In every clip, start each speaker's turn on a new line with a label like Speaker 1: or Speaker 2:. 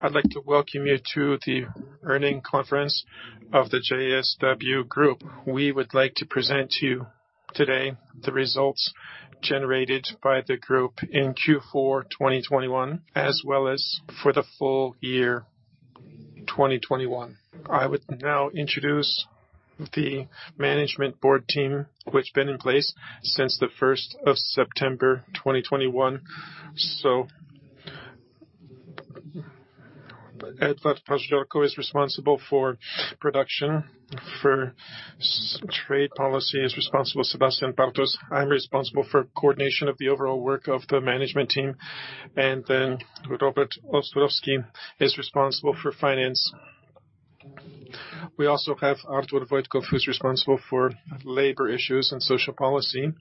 Speaker 1: I'd like to welcome you to the earnings conference of the JSW Group. We would like to present to you today the results generated by the group in Q4 2021, as well as for the full year 2021. I would now introduce the Management Board team, which been in place since September 1st, 2021. Edward Paździorko is responsible for production. For sales policy, Sebastian Bartos is responsible. I'm responsible for coordination of the overall work of the management team, and then Robert Ostrowski is responsible for finance. We also have Artur Wojtków, who's responsible for labor issues and social policy.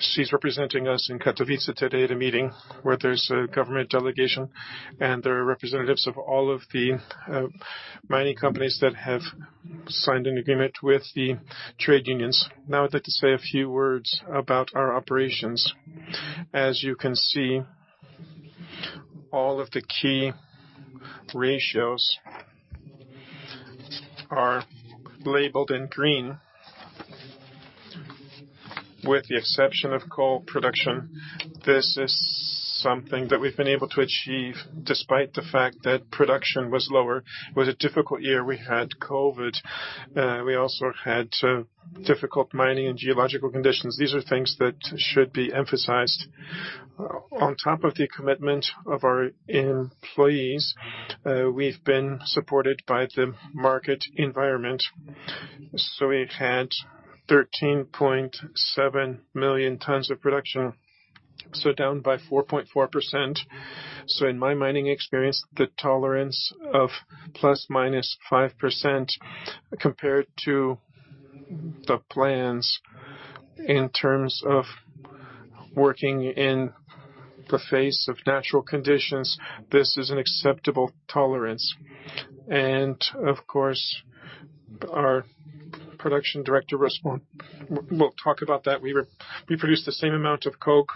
Speaker 1: He's representing us in Katowice today at a meeting where there's a government delegation, and there are representatives of all of the mining companies that have signed an agreement with the trade unions. Now, I'd like to say a few words about our operations. As you can see, all of the key ratios are labeled in green, with the exception of coal production. This is something that we've been able to achieve despite the fact that production was lower. It was a difficult year. We had COVID. We also had difficult mining and geological conditions. These are things that should be emphasized. On top of the commitment of our employees, we've been supported by the market environment. We've had 13.7 million tonnes of production, so down by 4.4%. In my mining experience, the tolerance of ±5% compared to the plans in terms of working in the face of natural conditions, this is an acceptable tolerance. Of course, we'll talk about that. We produced the same amount of coke.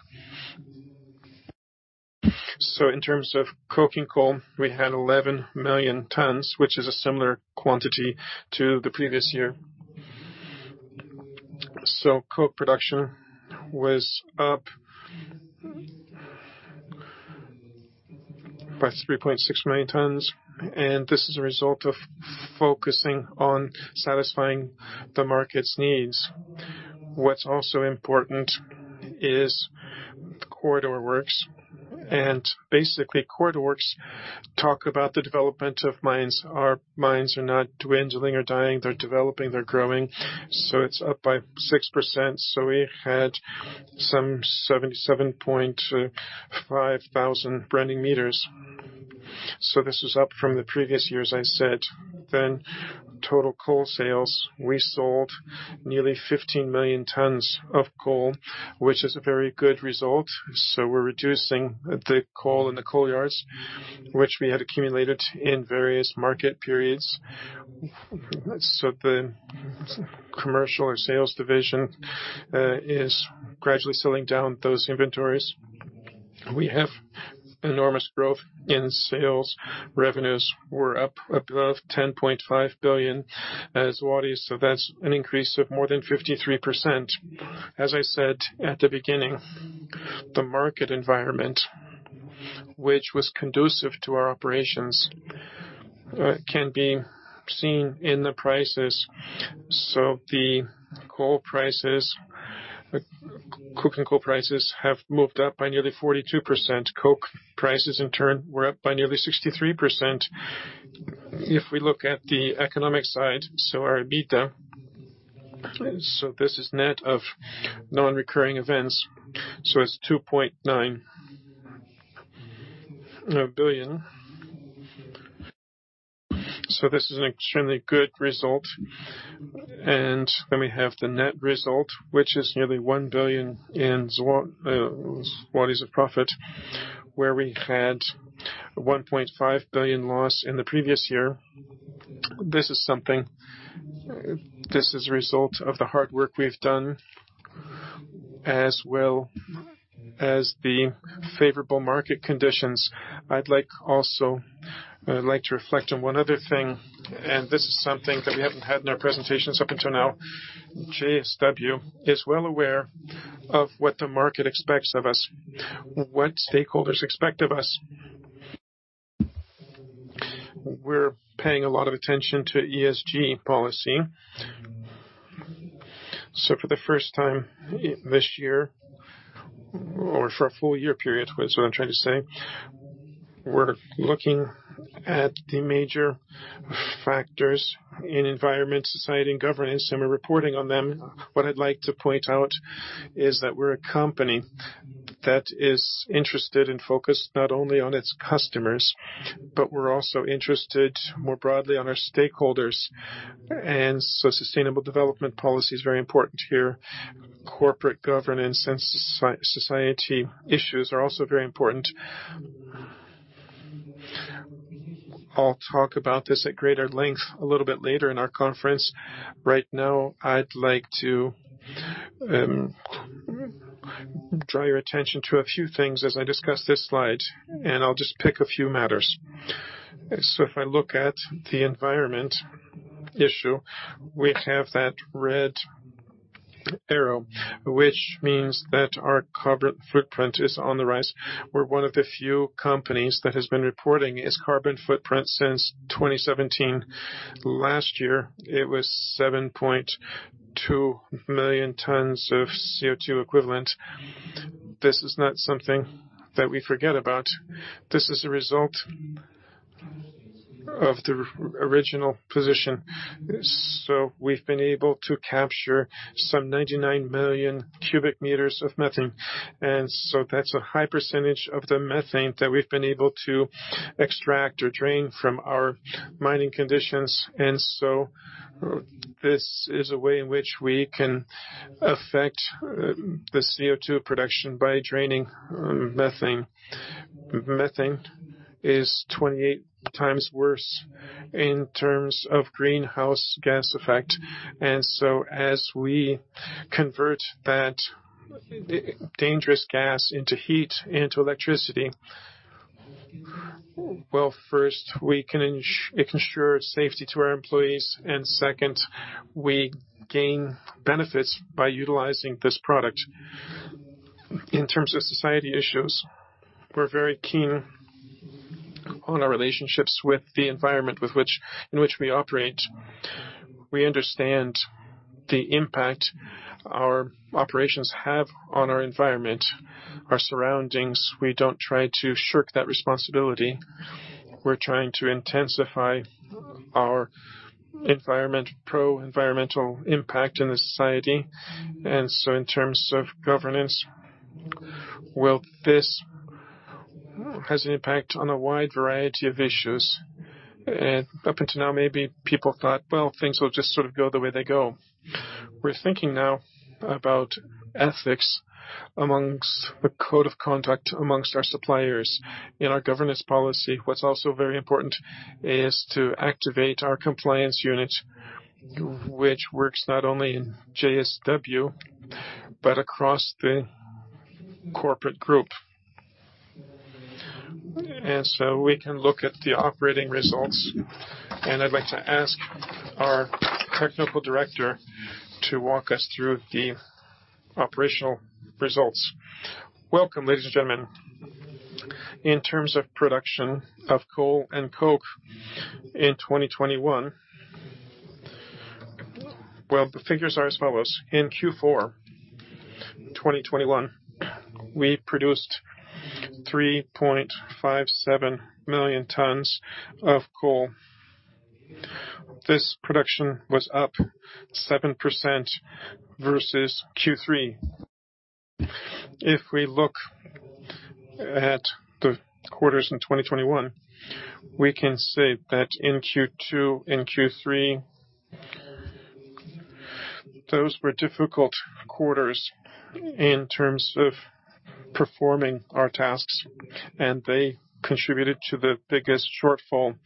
Speaker 1: In terms of coking coal, we had 11 million tonnes, which is a similar quantity to the previous year. Coke production was up by 3.6 million tonnes, and this is a result of focusing on satisfying the market's needs. What's also important is corridor works and basically corridor works talk about the development of mines. Our mines are not dwindling or dying, they're developing, they're growing, so it's up by 6%. We had some 77.5 thousand driving meters. This is up from the previous years, I said. Total coal sales, we sold nearly 15 million tonnes of coal, which is a very good result. We're reducing the coal in the coal yards, which we had accumulated in various market periods. The commercial or sales division is gradually selling down those inventories. We have enormous growth in sales. Revenues were up above 10.5 billion zlotys. That's an increase of more than 53%. As I said at the beginning, the market environment, which was conducive to our operations, can be seen in the prices. The coal prices, coking coal prices, have moved up by nearly 42%. Coke prices, in turn, were up by nearly 63%. If we look at the economic side, our EBITDA, this is net of non-recurring events. It's 2.9 billion. This is an extremely good result. We have the net result, which is nearly 1 billion of profit, where we had a 1.5 billion loss in the previous year. This is something. This is a result of the hard work we've done, as well as the favorable market conditions. I'd like to reflect on one other thing, and this is something that we haven't had in our presentations up until now. JSW is well aware of what the market expects of us, what stakeholders expect of us. We're paying a lot of attention to ESG policy. For the first time this year or for a full year period, is what I'm trying to say, we're looking at the major factors in environment, society, and governance, and we're reporting on them. What I'd like to point out is that we're a company that is interested and focused not only on its customers, but we're also interested more broadly on our stakeholders. Sustainable development policy is very important here. Corporate governance and social issues are also very important. I'll talk about this at greater length a little bit later in our conference. Right now, I'd like to draw your attention to a few things as I discuss this slide, and I'll just pick a few matters. If I look at the environment issue, we have that red arrow, which means that our carbon footprint is on the rise. We're one of the few companies that has been reporting its carbon footprint since 2017. Last year, it was 7.2 million tonnes of CO₂ equivalent. This is not something that we forget about. This is a result of our original position. We've been able to capture some 99 million cubic meters of methane, and that's a high percentage of the methane that we've been able to extract or drain from our mining conditions. This is a way in which we can affect the CO₂ production by draining methane. Methane is 28 times worse in terms of greenhouse gas effect. As we convert that dangerous gas into heat, into electricity, well, first, we can ensure safety to our employees, and second, we gain benefits by utilizing this product. In terms of social issues, we're very keen on our relationships with the environment in which we operate. We understand the impact our operations have on our environment, our surroundings. We don't try to shirk that responsibility. We're trying to intensify our pro-environmental impact in society. In terms of governance, well, this has an impact on a wide variety of issues. Up until now, maybe people thought, "Well, things will just sort of go the way they go." We're thinking now about ethics amongst the code of conduct amongst our suppliers. In our governance policy, what's also very important is to activate our compliance unit, which works not only in JSW, but across the corporate group. We can look at the operating results, and I'd like to ask our technical director to walk us through the operational results.
Speaker 2: Welcome, ladies and gentlemen. In terms of production of coal and coke in 2021, well, the figures are as follows. In Q4 2021, we produced 3.57 million tonnes of coal. This production was up 7% versus Q3. If we look at the quarters in 2021, we can say that in Q2 and Q3, those were difficult quarters in terms of performing our tasks, and they contributed to the biggest shortfall.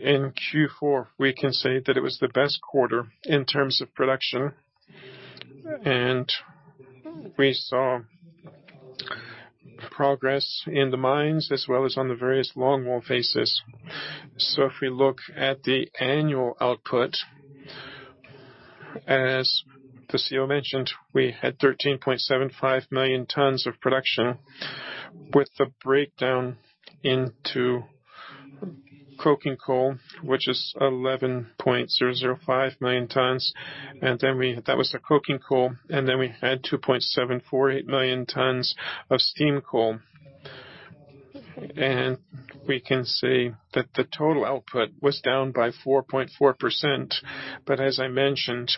Speaker 2: In Q4, we can say that it was the best quarter in terms of production, and we saw progress in the mines as well as on the various longwall faces. If we look at the annual output, as the CEO mentioned, we had 13.75 million tonnes of production, with the breakdown into coking coal, which is 11.005 million tonnes. That was the coking coal, and then we had 2.748 million tonnes of steam coal. We can see that the total output was down by 4.4%. As I mentioned,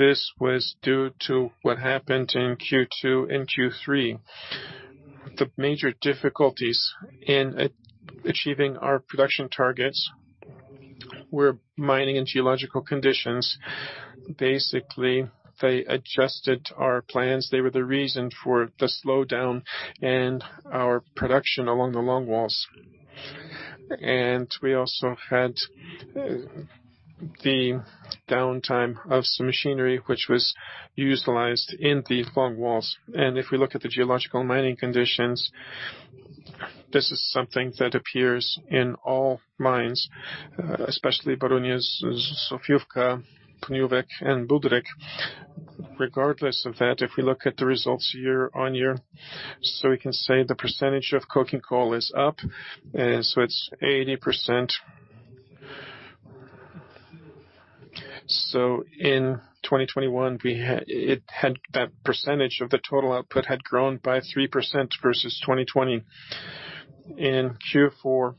Speaker 2: this was due to what happened in Q2 and Q3. The major difficulties in achieving our production targets were mining and geological conditions. Basically, they adjusted our plans. They were the reason for the slowdown in our production along the longwalls. We also had the downtime of some machinery, which was utilized in the longwalls. If we look at the geological mining conditions, this is something that appears in all mines, especially Borynia, Zofiówka, Pniówek, and Budryk. Regardless of that, if we look at the results year-on-year, we can say the percentage of coking coal is up, and it's 80%. In 2021, that percentage of the total output had grown by 3% versus 2020. In Q4,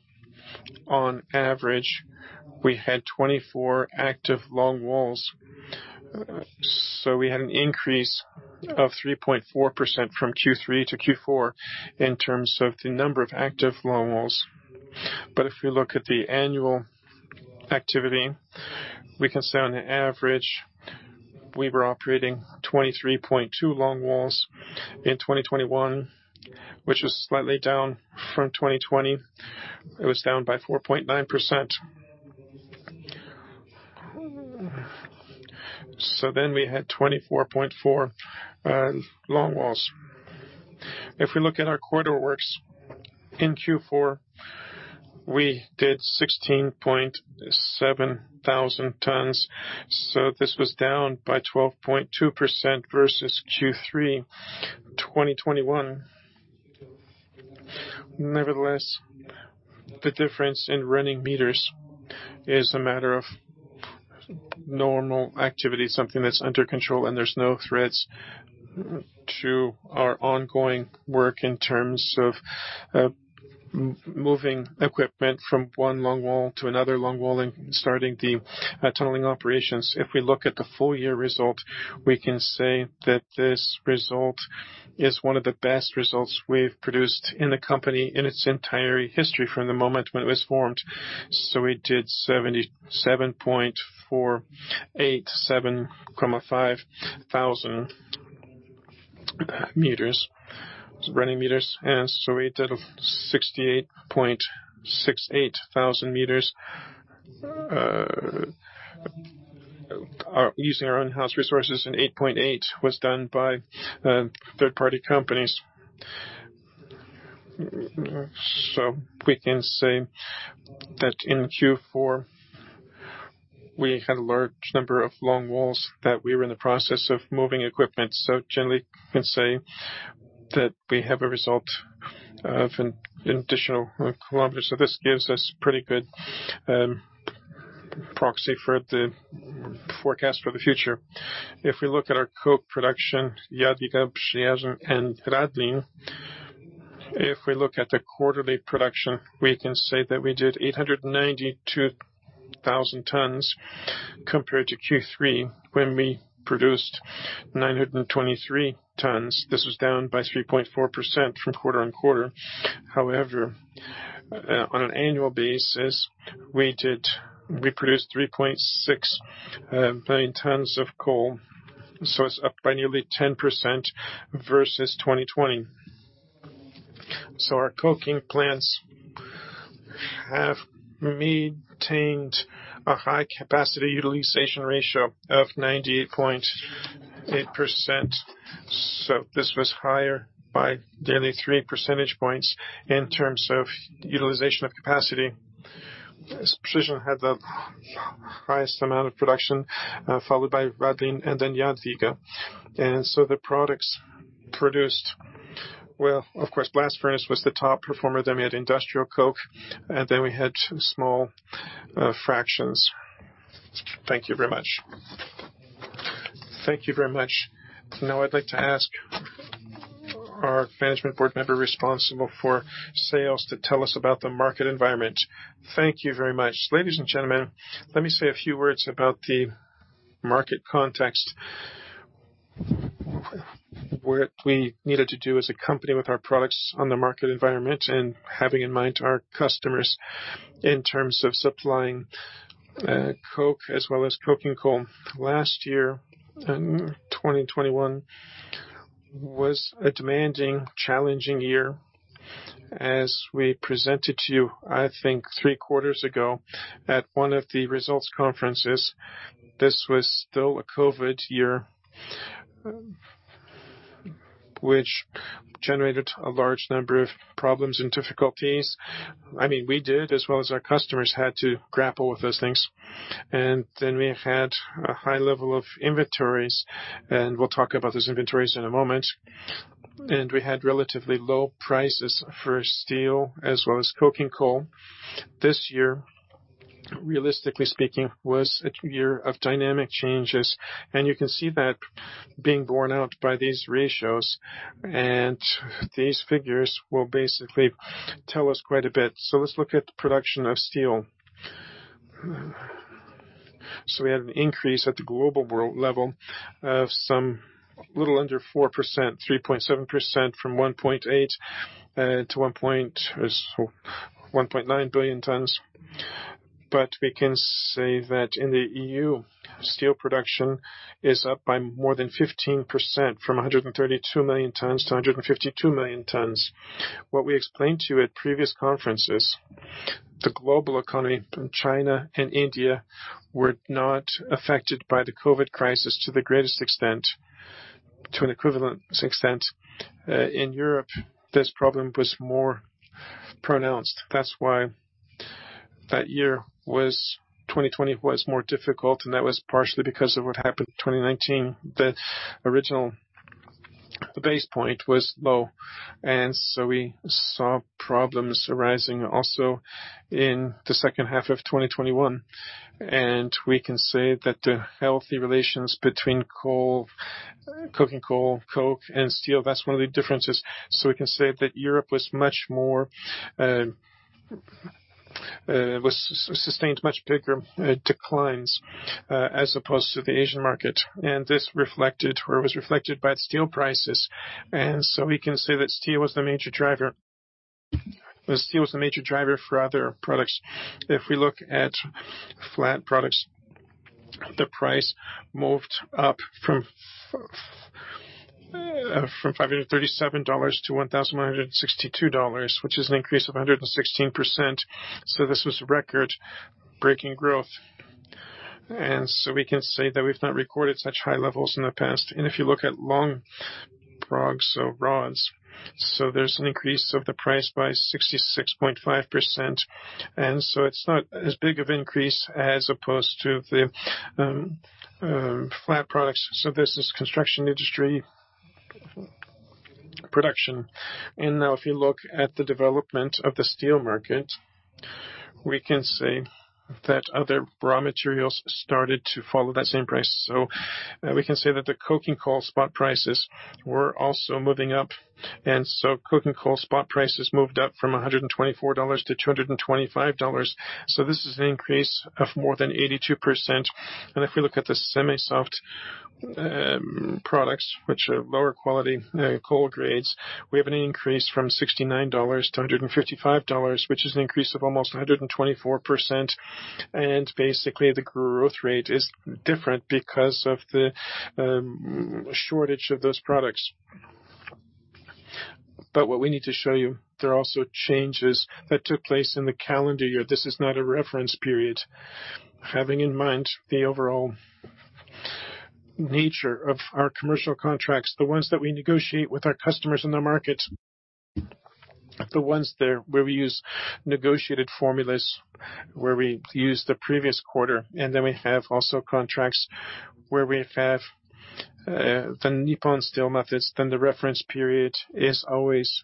Speaker 2: on average, we had 24 active longwalls, so we had an increase of 3.4% from Q3 to Q4 in terms of the number of active longwalls. If we look at the annual activity, we can say, on average, we were operating 23.2 longwalls in 2021, which was slightly down from 2020. It was down by 4.9%. We had 24.4 longwalls. If we look at our quarterly works in Q4, we did 16,700 tonnes. This was down by 12.2% versus Q3 2021. Nevertheless, the difference in running meters is a matter of normal activity, something that's under control, and there's no threats to our ongoing work in terms of moving equipment from one longwall to another longwall and starting the tunneling operations. If we look at the full year result, we can say that this result is one of the best results we've produced in the company in its entire history from the moment when it was formed. We did 77,487.5 meters. It's running meters. We did 68,680 meters using our own in-house resources, and 8,800 meters was done by third-party companies. We can say that in Q4, we had a large number of longwalls that we were in the process of moving equipment. Generally can say that we have a result of an additional kilometer. This gives us pretty good proxy for the forecast for the future. If we look at our coke production, Jadwiga, Przeworsk, and Radlin. If we look at the quarterly production, we can say that we did 892,000 tonnes compared to Q3, when we produced 923,000 tonnes. This was down by 3.4% from quarter-on-quarter. However, on an annual basis, we produced 3.6 million tonnes of coal, so it's up by nearly 10% versus 2020. Our coking plants have maintained a high capacity utilization ratio of 98.8%. This was higher by nearly three percentage points in terms of utilization of capacity. Precision had the highest amount of production, followed by Radlin and then Jadwiga. The products produced well. Of course, blast furnace was the top performer. Then we had industrial coke, and then we had two small fractions. Thank you very much.
Speaker 1: Thank you very much. Now I'd like to ask our management board member responsible for sales to tell us about the market environment.
Speaker 3: Thank you very much. Ladies and gentlemen, let me say a few words about the market context. What we needed to do as a company with our products on the market environment and having in mind our customers in terms of supplying coke as well as coking coal. Last year, in 2021, was a demanding, challenging year. As we presented to you, I think three quarters ago, at one of the results conferences, this was still a COVID year, which generated a large number of problems and difficulties. I mean, we did as well as our customers had to grapple with those things. We have had a high level of inventories, and we'll talk about those inventories in a moment. We had relatively low prices for steel as well as coking coal. This year, realistically speaking, was a year of dynamic changes, and you can see that being borne out by these ratios. These figures will basically tell us quite a bit. Let's look at the production of steel. We had an increase at the global world level of a little under 4%, 3.7% from 1.8 billion-1.9 billion tonnes. We can say that in the EU, steel production is up by more than 15%, from 132 million-152 million tonnes. What we explained to you at previous conferences, the global economy from China and India were not affected by the COVID crisis to the greatest extent, to an equivalent extent. In Europe, this problem was more pronounced. That's why 2020 was more difficult, and that was partially because of what happened in 2019. The original base point was low, and so we saw problems arising also in the second half of 2021. We can say that the healthy relations between coal, coking coal, coke and steel, that's one of the differences. We can say that Europe was much more sustained much bigger declines as opposed to the Asian market. This reflected or it was reflected by the steel prices. We can say that steel was the major driver. The steel is the major driver for other products. If we look at flat products, the price moved up from $537 to $1,162, which is an increase of 116%. This was record-breaking growth. We can say that we've not recorded such high levels in the past. If you look at long products or rods, there's an increase of the price by 66.5%. It's not as big of increase as opposed to the flat products. This is construction industry production. Now if you look at the development of the steel market, we can say that other raw materials started to follow that same price. We can say that the coking coal spot prices were also moving up, and coking coal spot prices moved up from $124-$225. This is an increase of more than 82%. If we look at the semi-soft products, which are lower quality coal grades, we have an increase from $69-$155, which is an increase of almost 124%. Basically, the growth rate is different because of the shortage of those products. What we need to show you, there are also changes that took place in the calendar year. This is not a reference period. Having in mind the overall nature of our commercial contracts, the ones that we negotiate with our customers in the market, the ones there where we use negotiated formulas, where we use the previous quarter, and then we have also contracts where we have the Nippon Steel methods, then the reference period is always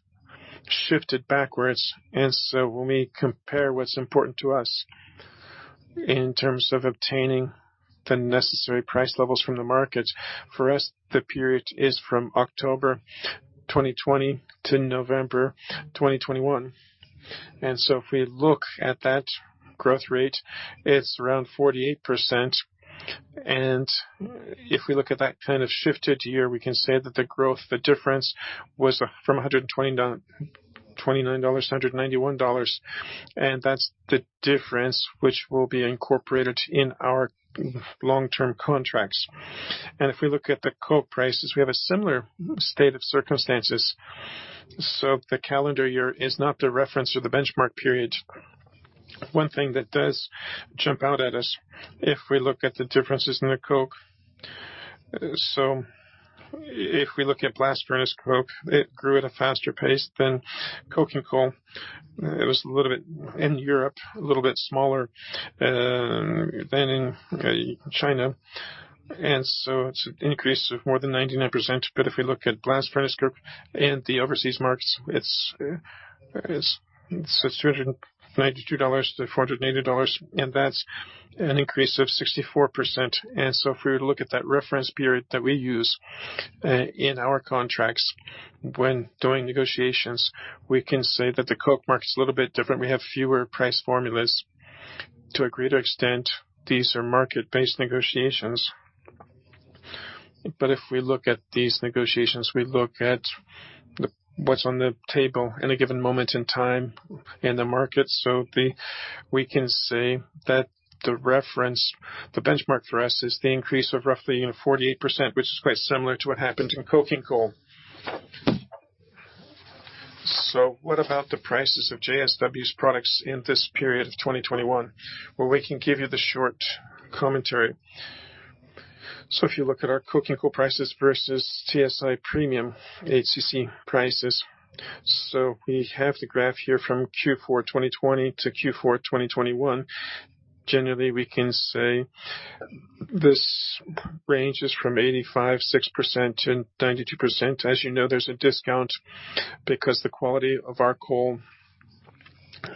Speaker 3: shifted backwards. When we compare what's important to us in terms of obtaining the necessary price levels from the markets, for us, the period is from October 2020 to November 2021. If we look at that growth rate, it's around 48%. If we look at that kind of shifted year, we can say that the growth, the difference was from $129-$191. That's the difference which will be incorporated in our long-term contracts. If we look at the coal prices, we have a similar state of circumstances. The calendar year is not the reference or the benchmark period. One thing that does jump out at us if we look at the differences in the coke. If we look at blast furnace coke, it grew at a faster pace than coking coal. It was a little bit smaller in Europe than in China. It's an increase of more than 99%. If we look at blast furnace coke and the overseas markets, it's $692-$480, and that's an increase of 64%. If we were to look at that reference period that we use in our contracts when doing negotiations, we can say that the coke market is a little bit different. We have fewer price formulas. To a greater extent, these are market-based negotiations. If we look at these negotiations, we look at the, what's on the table in a given moment in time in the market. We can say that the reference, the benchmark for us is the increase of roughly 48%, which is quite similar to what happened in coking coal. What about the prices of JSW's products in this period of 2021? Well, we can give you the short commentary. If you look at our coking coal prices versus TSI Premium HCC prices. We have the graph here from Q4 2020 to Q4 2021. Generally, we can say this ranges from 85.6% to 92%. As you know, there's a discount because the quality of our coal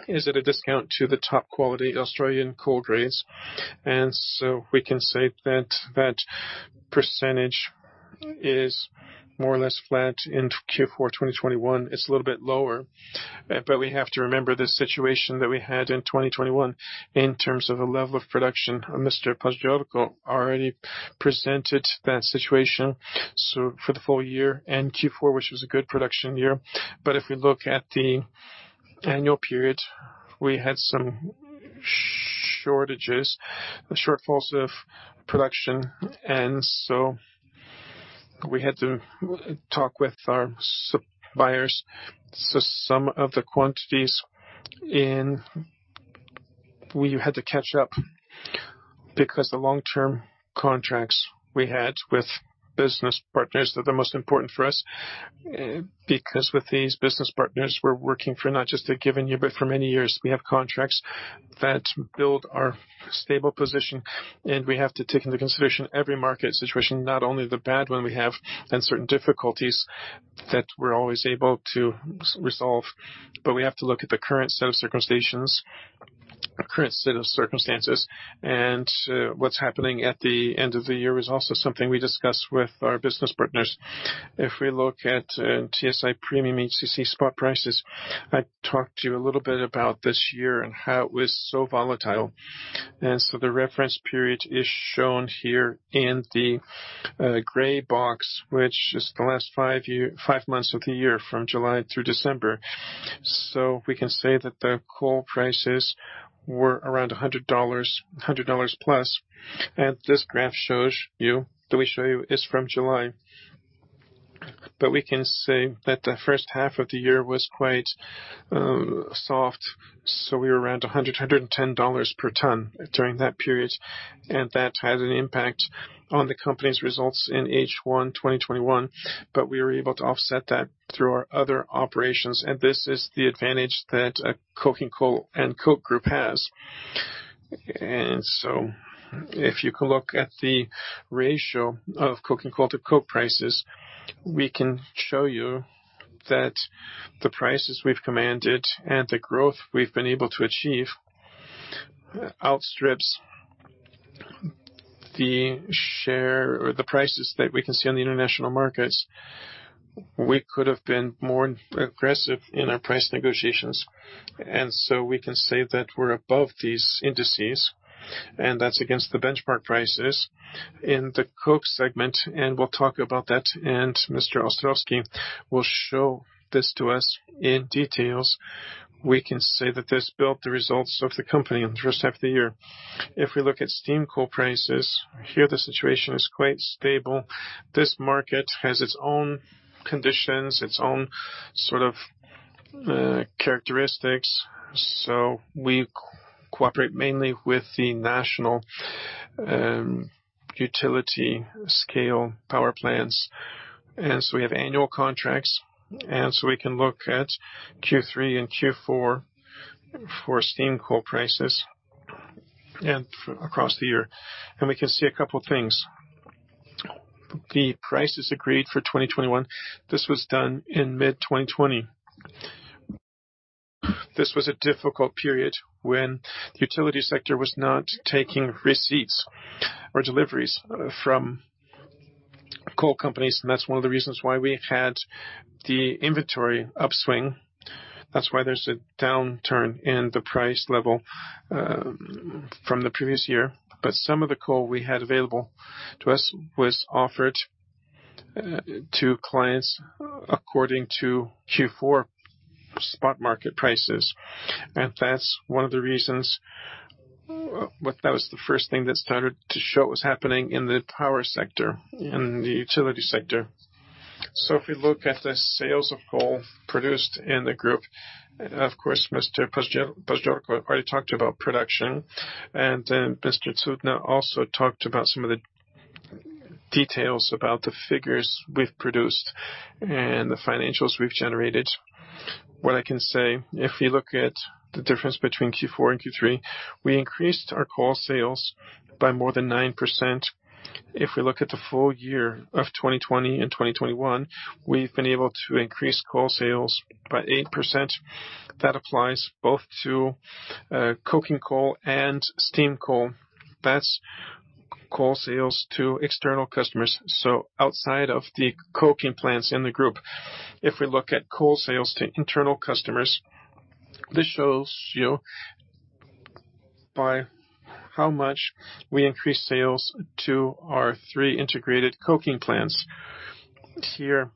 Speaker 3: is at a discount to the top quality Australian coal grades. We can say that that percentage is more or less flat in Q4 2021. It's a little bit lower, but we have to remember the situation that we had in 2021 in terms of a level of production. Mr. Paździorko already presented that situation for the full year and Q4, which was a good production year. If we look at the annual period, we had some shortages, the shortfalls of production, and we had to talk with our suppliers. Some of the quantities we had to catch up because the long-term contracts we had with business partners that are most important for us, because with these business partners, we're working for not just a given year, but for many years. We have contracts that build our stable position, and we have to take into consideration every market situation, not only the bad one we have and certain difficulties that we're always able to resolve. We have to look at the current set of circumstances. What's happening at the end of the year is also something we discuss with our business partners. If we look at TSI Premium HCC spot prices, I talked to you a little bit about this year and how it was so volatile. The reference period is shown here in the gray box, which is the last five months of the year from July through December. We can say that the coal prices were around $100, $100 plus. This graph that we show you is from July. We can say that the first half of the year was quite soft, so we were around $110 per tonne during that period. That has an impact on the company's results in H1 2021, but we were able to offset that through our other operations, and this is the advantage that coking coal and coke group has. If you can look at the ratio of coking coal to coke prices, we can show you that the prices we've commanded and the growth we've been able to achieve outstrips the share or the prices that we can see on the international markets. We could have been more aggressive in our price negotiations. We can say that we're above these indices, and that's against the benchmark prices in the coke segment, and we'll talk about that. Mr. Ostrowski will show this to us in detail. We can say that this built the results of the company in the first half of the year. If we look at steam coal prices, here the situation is quite stable. This market has its own conditions, its own sort of characteristics. We cooperate mainly with the national utility scale power plants. We have annual contracts, and so we can look at Q3 and Q4 for steam coal prices and across the year. We can see a couple of things. The prices agreed for 2021, this was done in mid-2020. This was a difficult period when the utility sector was not taking receipts or deliveries from coal companies. That's one of the reasons why we had the inventory upswing. That's why there's a downturn in the price level from the previous year. Some of the coal we had available to us was offered to clients according to Q4 spot market prices. That's one of the reasons. That was the first thing that started to show what was happening in the power sector, in the utility sector. If we look at the sales of coal produced in the group, of course, Mr. Paździorko already talked about production, and Mr. Cudny also talked about some of the details about the figures we've produced and the financials we've generated. What I can say, if you look at the difference between Q4 and Q3, we increased our coal sales by more than 9%. If we look at the full year of 2020 and 2021, we've been able to increase coal sales by 8%. That applies both to coking coal and steam coal. That's coal sales to external customers, so outside of the coking plants in the group. If we look at coal sales to internal customers, this shows you by how much we increased sales to our three integrated coking plants. Here,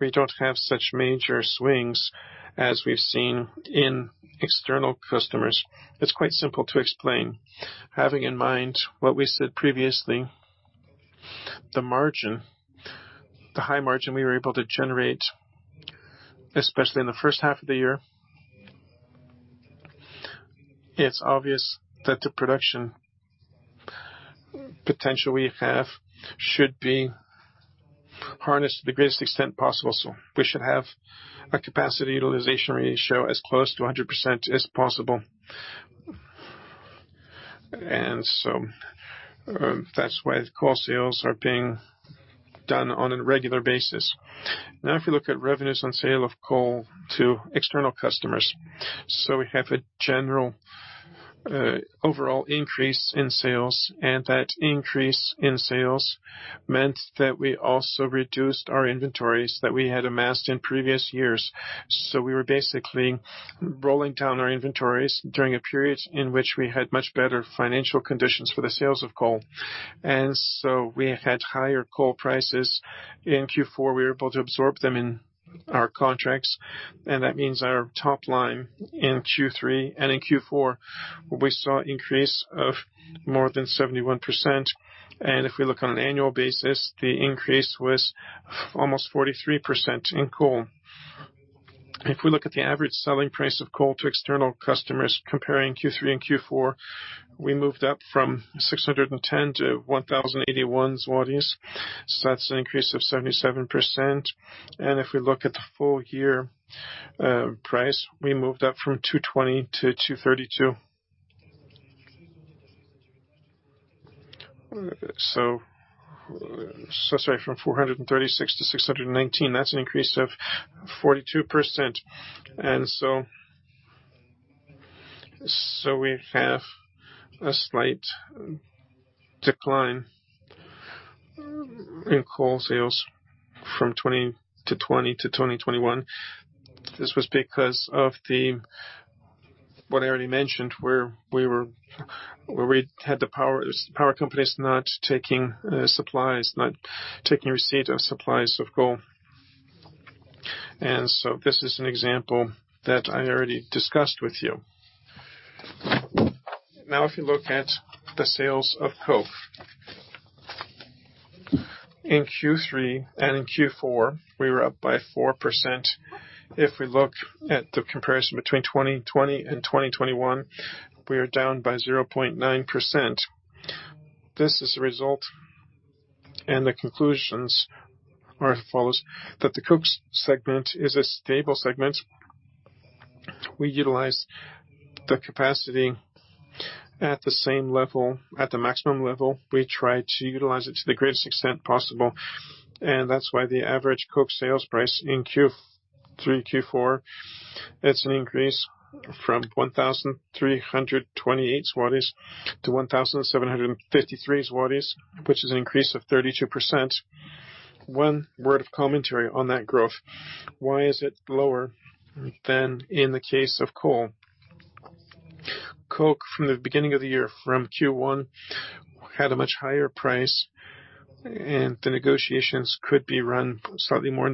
Speaker 3: we don't have such major swings as we've seen in external customers. It's quite simple to explain. Having in mind what we said previously, the margin, the high margin we were able to generate, especially in the first half of the year. It's obvious that the production potential we have should be harnessed to the greatest extent possible. We should have a capacity utilization ratio as close to 100% as possible. That's why the coal sales are being done on a regular basis. Now, if you look at revenues on sale of coal to external customers. We have a general, overall increase in sales, and that increase in sales meant that we also reduced our inventories that we had amassed in previous years. We were basically rolling down our inventories during a period in which we had much better financial conditions for the sales of coal. We had higher coal prices. In Q4, we were able to absorb them in our contracts, and that means our top line in Q3 and in Q4, we saw increase of more than 71%. If we look on an annual basis, the increase was almost 43% in coal. If we look at the average selling price of coal to external customers comparing Q3 and Q4, we moved up from 610 to 1,081 zlotys. That's an increase of 77%. If we look at the full-year price, we moved up from 436 to 619. That's an increase of 42%. We have a slight decline in coal sales from 2020 to 2021. This was because of the what I already mentioned, where we had the power companies not taking supplies, not taking receipt of supplies of coal. This is an example that I already discussed with you. Now, if you look at the sales of coke. In Q3 and in Q4, we were up by 4%. If we look at the comparison between 2020 and 2021, we are down by 0.9%. This is the result, and the conclusions are as follows, that the coke segment is a stable segment. We utilize the capacity at the same level, at the maximum level. We try to utilize it to the greatest extent possible, and that's why the average coke sales price in Q3, Q4, it's an increase from 1,328 zlotys to 1,753 zlotys, which is an increase of 32%. One word of commentary on that growth. Why is it lower than in the case of coal? Coke from the beginning of the year, from Q1, had a much higher price, and the negotiations could be run slightly more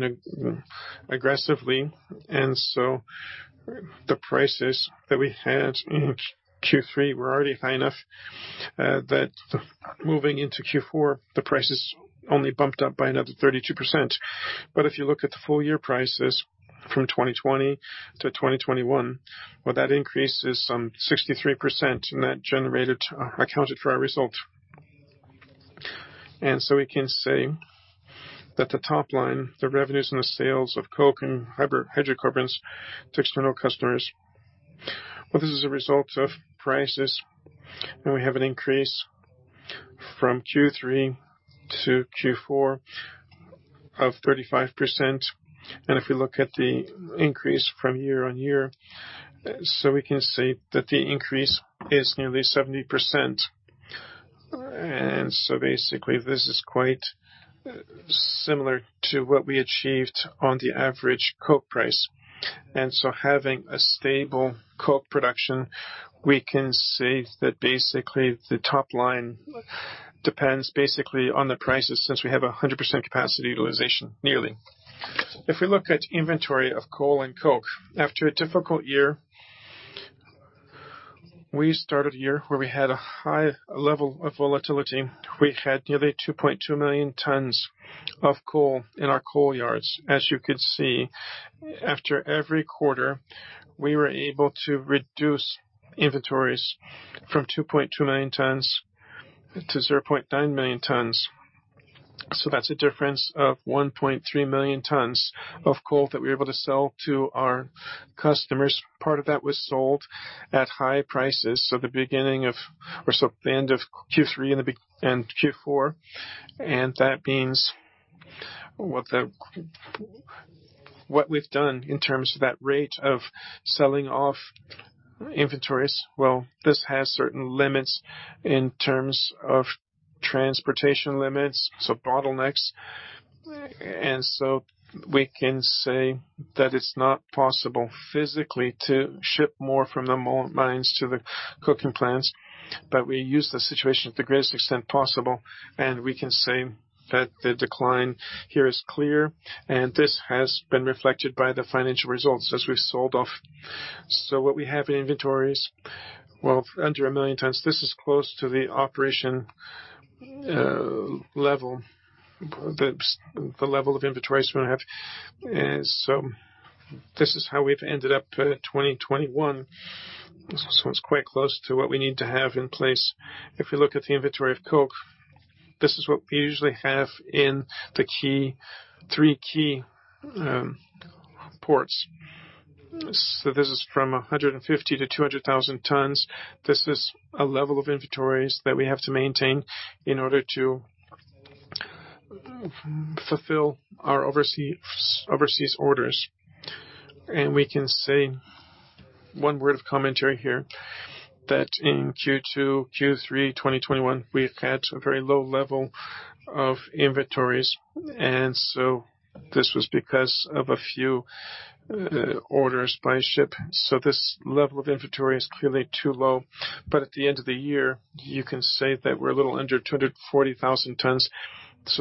Speaker 3: aggressively. The prices that we had in Q3 were already high enough that moving into Q4, the prices only bumped up by another 32%. If you look at the full year prices from 2020 to 2021, that increase is some 63%, and that accounted for our result. We can say that the top line, the revenues and the sales of coke and hydrocarbons to external customers, this is a result of prices, and we have an increase from Q3 to Q4 of 35%. If we look at the increase from year-on-year, we can say that the increase is nearly 70%. Basically, this is quite similar to what we achieved on the average coke price. Having a stable coke production, we can say that basically the top line depends on the prices, since we have 100% capacity utilization, nearly. If we look at inventory of coal and coke, after a difficult year, we started the year where we had a high level of volatility. We had nearly 2.2 million tonnes of coal in our coal yards. As you could see, after every quarter, we were able to reduce inventories from 2.2 million tonnes to 0.9 million tonnes. That's a difference of 1.3 million tonnes of coal that we were able to sell to our customers. Part of that was sold at high prices at the end of Q3 and Q4. What we've done in terms of that rate of selling off inventories, well, this has certain limits in terms of transportation limits, so bottlenecks. We can say that it's not possible physically to ship more from the mines to the coking plants. We use the situation to the greatest extent possible, and we can say that the decline here is clear, and this has been reflected by the financial results as we've sold off. What we have in inventories, well, under 1 million tonnes, this is close to the operational level, the level of inventories we have. This is how we've ended up 2021. It's quite close to what we need to have in place. If we look at the inventory of coke, this is what we usually have in the three key ports. This is from 150,000-200,000 tonnes. This is a level of inventories that we have to maintain in order to fulfill our overseas orders. We can say one word of commentary here, that in Q2, Q3 2021, we've had a very low level of inventories. This was because of a few orders by ship. This level of inventory is clearly too low. At the end of the year, you can say that we're a little under 240,000 tonnes.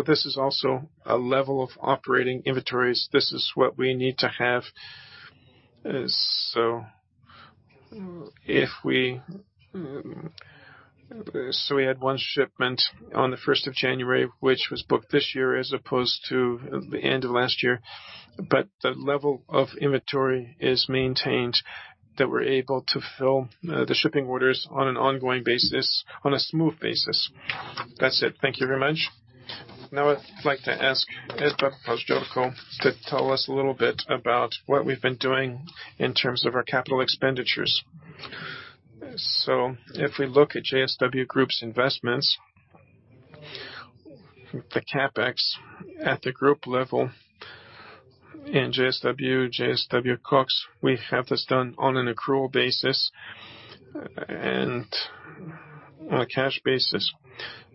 Speaker 3: This is also a level of operating inventories. This is what we need to have. We had one shipment on January 1st, which was booked this year as opposed to the end of last year. The level of inventory is maintained that we're able to fill the shipping orders on an ongoing basis, on a smooth basis. That's it. Thank you very much.
Speaker 1: Now, I'd like to ask Edward Paździorko to tell us a little bit about what we've been doing in terms of our capital expenditures.
Speaker 2: If we look at JSW Group's investments, the CapEx at the group level in JSW KOKS, we have this done on an accrual basis and on a cash basis.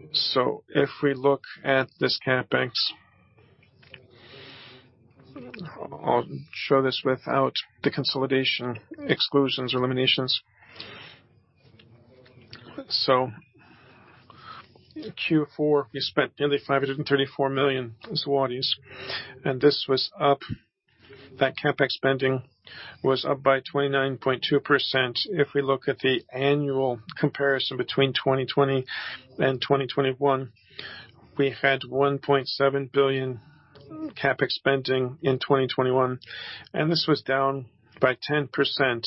Speaker 2: If we look at this CapEx. I'll show this without the consolidation exclusions or eliminations. In Q4, we spent nearly 534 million zlotys, and this CapEx spending was up by 29.2%. If we look at the annual comparison between 2020 and 2021, we had 1.7 billion CapEx spending in 2021, and this was down by 10%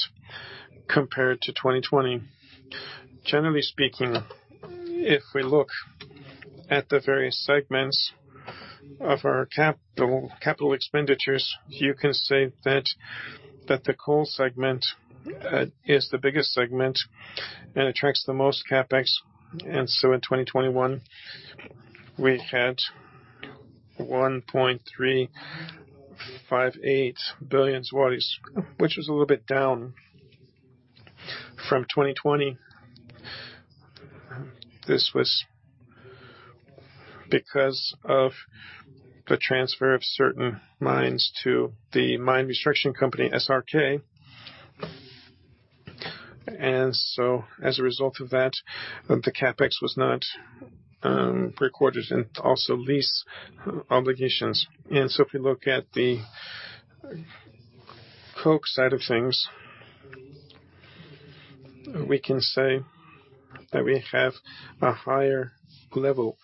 Speaker 2: compared to 2020. Generally speaking, if we look at the various segments of our capital expenditures, you can say that the coal segment is the biggest segment and attracts the most CapEx. In 2021, we had 1.358 billion zlotys, which was a little bit down from 2020. This was because of the transfer of certain mines to the mine restructuring company, SRK. As a result of that, the CapEx was not recorded and also lease obligations. If you look at the coke side of things, we can say that we have a higher level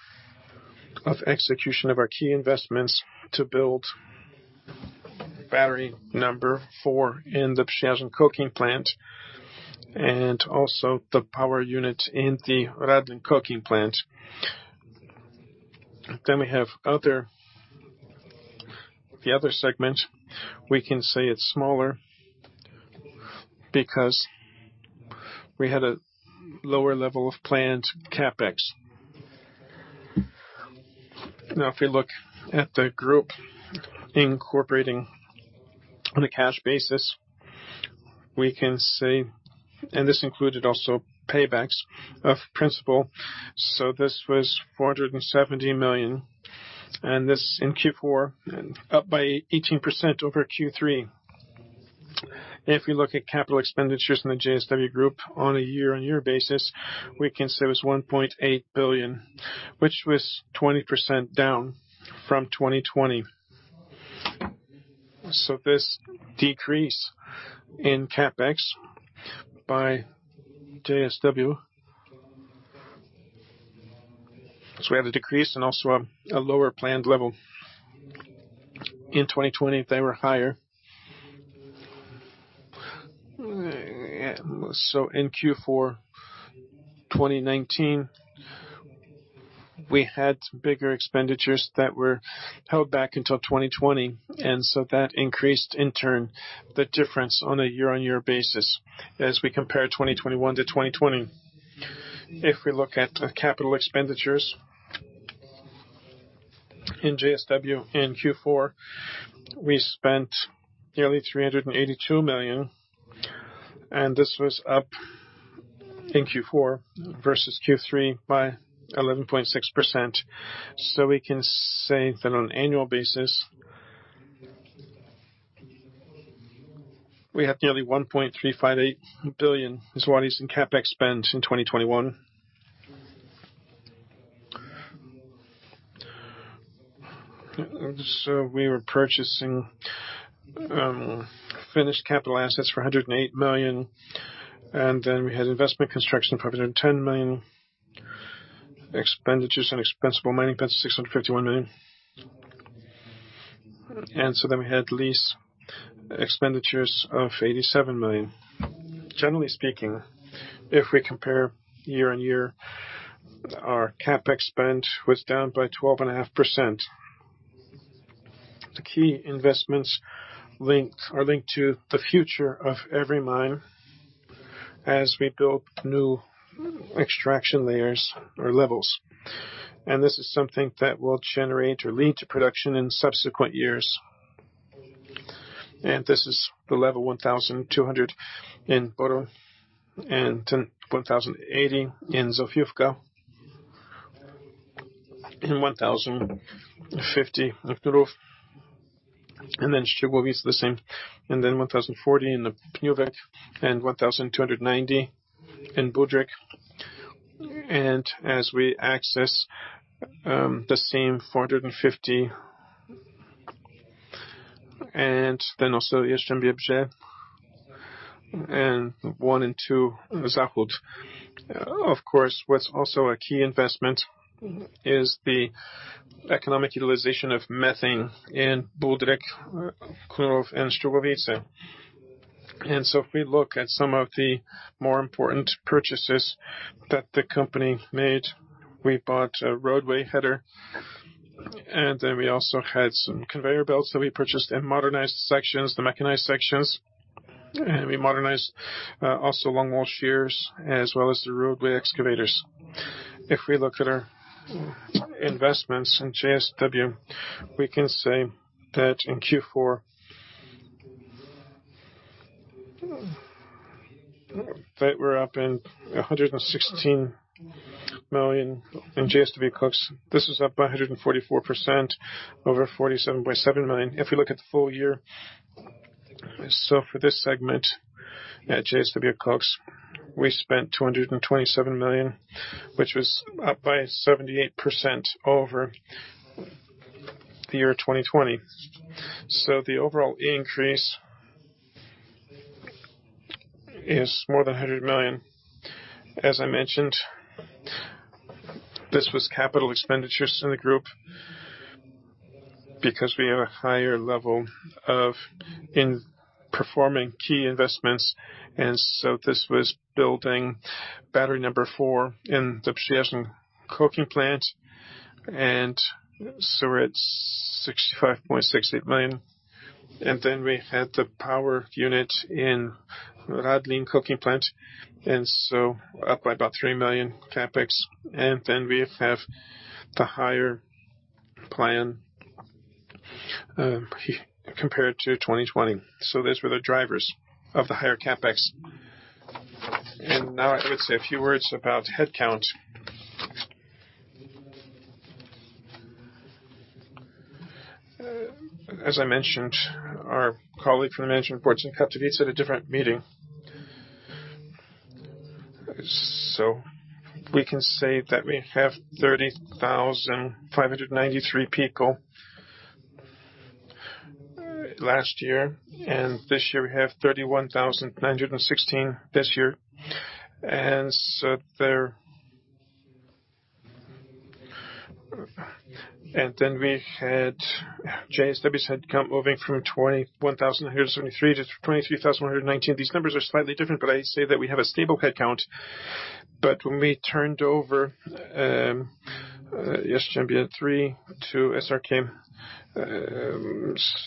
Speaker 2: of execution of our key investments to build battery number four in the Przyszowice coking plant and also the power unit in the Radlin coking plant. We have the other segment, we can say it's smaller because we had a lower level of plant CapEx. If we look at the group incorporating on a cash basis, we can say this included also paybacks of principal. This was 470 million, and this in Q4 and up 18% over Q3. If we look at capital expenditures in the JSW Group on a year-on-year basis, we can say it was 1.8 billion, which was 20% down from 2020. This decrease in CapEx by JSW, we have a decrease and also a lower planned level. In 2020, they were higher. In Q4 2019, we had bigger expenditures that were held back until 2020, and that increased in turn the difference on a year-on-year basis as we compare 2021 to 2020. If we look at capital expenditures in JSW in Q4, we spent nearly 382 million, and this was up in Q4 versus Q3 by 11.6%. We can say that on an annual basis, we have nearly 1.358 billion in CapEx spend in 2021. We were purchasing finished capital assets for 108 million, and then we had investment construction, 510 million expenditures and expendable mining, that's 651 million. We had lease expenditures of 87 million. Generally speaking, if we compare year-over-year, our CapEx spend was down by 12.5%. The key investments link or linked to the future of every mine as we build new extraction layers or levels. This is something that will generate or lead to production in subsequent years. This is the level 1,200 in Borynia and 1,080 in Zofiówka and 1,050 in Knurów, and then Szczygłowice the same. Then 1,040 in the Pniówek and 1,290 in Budryk. As we access the same 450, and then also Jastrzębie-Zdrój and 1 and 2 Zachód. Of course, what's also a key investment is the economic utilization of methane in Budryk, Knurów, and Szczygłowice. If we look at some of the more important purchases that the company made, we bought a roadheader, and then we also had some conveyor belts that we purchased and modernized sections, the mechanized sections. We modernized also longwall shearers as well as the roadway excavators. If we look at our investments in JSW, we can say that in Q4 that were up 116 million in JSW KOKS. This is up by 144% over 47.7 million. If you look at the full year, for this segment at JSW KOKS, we spent 227 million, which was up by 78% over the year 2020. The overall increase is more than 100 million. As I mentioned, this was capital expenditures in the group because we have a higher level of investment in key investments, this was building battery number four in the Przeworsk coking plant, we're at 65.68 million. We had the power unit in Radlin coking plant, up by about 3 million CapEx. We have the higher plan compared to 2020. Those were the drivers of the higher CapEx. Now I would say a few words about headcount. As I mentioned, our colleague from the Management Board, Wojciech Kałuża, to be at a different meeting. We can say that we have 30,593 people last year, and this year we have 31,916 this year. There... We had JSW's headcount moving from 21,173 to 23,119. These numbers are slightly different, but I say that we have a stable headcount. When we turned over Zofiówka 3 to SRK,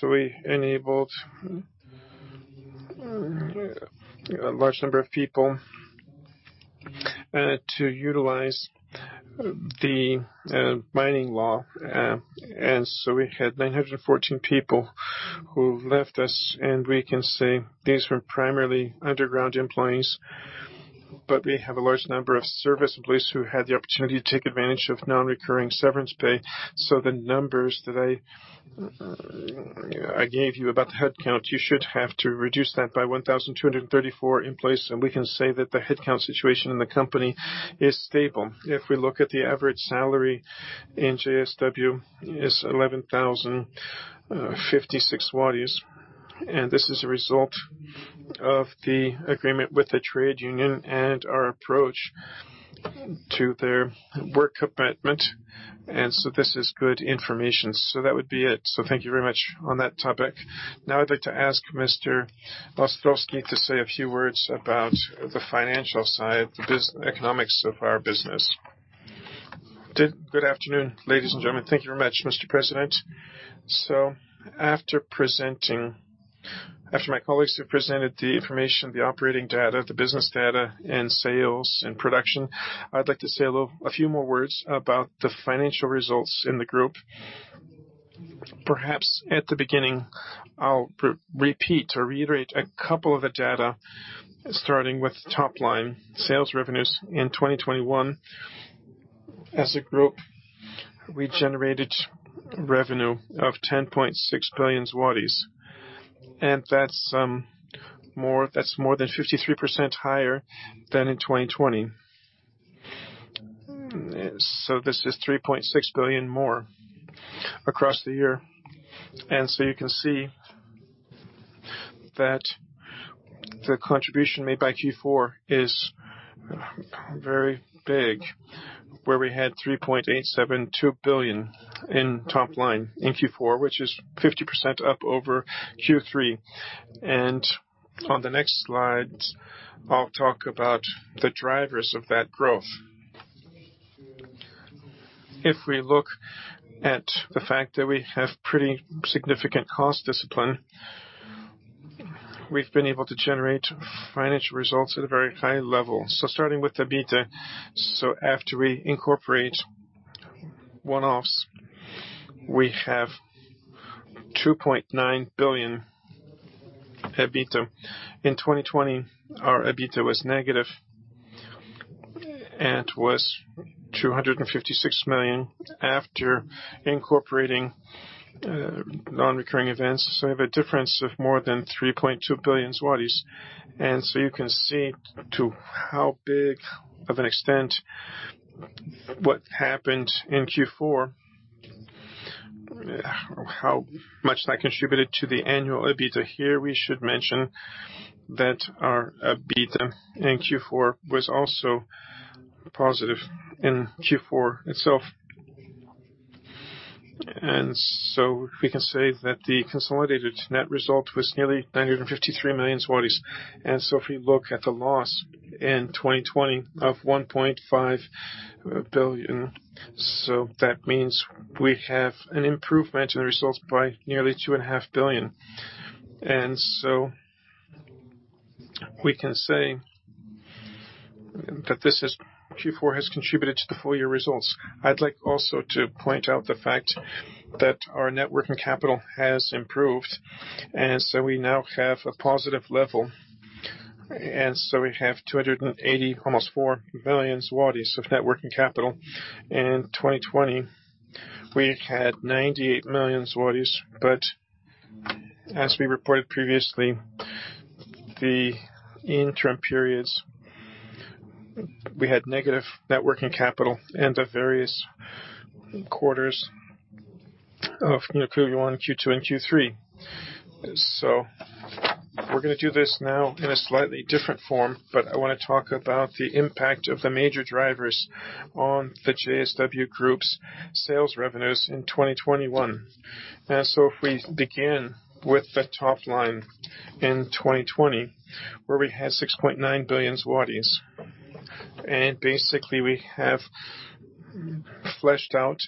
Speaker 2: we enabled a large number of people to utilize the mining law. We had 914 people who left us, and we can say these were primarily underground employees, but we have a large number of service employees who had the opportunity to take advantage of non-recurring severance pay. The numbers that I gave you about the headcount, you should have to reduce that by 1,234 in place, and we can say that the headcount situation in the company is stable. If we look at the average salary in JSW is 11,056, and this is a result of the agreement with the trade union and our approach to their work commitment. This is good information. That would be it.
Speaker 1: Thank you very much on that topic. Now, I'd like to ask Mr. Ostrowski to say a few words about the financial side, the economics of our business.
Speaker 4: Good afternoon, ladies and gentlemen. Thank you very much, Mr. President. After my colleagues have presented the information, the operating data, the business data, and sales and production, I'd like to say a few more words about the financial results in the group. Perhaps at the beginning, I'll repeat or reiterate a couple of the data, starting with top line sales revenues in 2021. As a group, we generated revenue of 10.6 billion zlotys, and that's more than 53% higher than in 2020. This is 3.6 billion more across the year. You can see that the contribution made by Q4 is very big, where we had 3.872 billion in top line in Q4, which is 50% up over Q3. On the next slide, I'll talk about the drivers of that growth. If we look at the fact that we have pretty significant cost discipline, we've been able to generate financial results at a very high level. Starting with the EBITDA, after we incorporate one-offs, we have 2.9 billion EBITDA. In 2020, our EBITDA was negative 256 million after incorporating non-recurring events. We have a difference of more than 3.2 billion zlotys. You can see to how big of an extent what happened in Q4, how much that contributed to the annual EBITDA. Here we should mention that our EBITDA in Q4 was also positive in Q4 itself. We can say that the consolidated net result was nearly 953 million zlotys. If we look at the loss in 2020 of 1.5 billion, that means we have an improvement in the results by nearly 2.5 billion. We can say that Q4 has contributed to the full year results. I'd like also to point out the fact that our net working capital has improved, and so we now have a positive level. We have 284 million zlotys of working capital. In 2020, we had 98 million zlotys. As we reported previously in the interim periods, we had negative working capital in the various quarters of Q1, Q2, and Q3. We're gonna do this now in a slightly different form, but I wanna talk about the impact of the major drivers on the JSW Group's sales revenues in 2021. If we begin with the top line in 2020, where we had 6.9 billion, and basically, we have fleshed out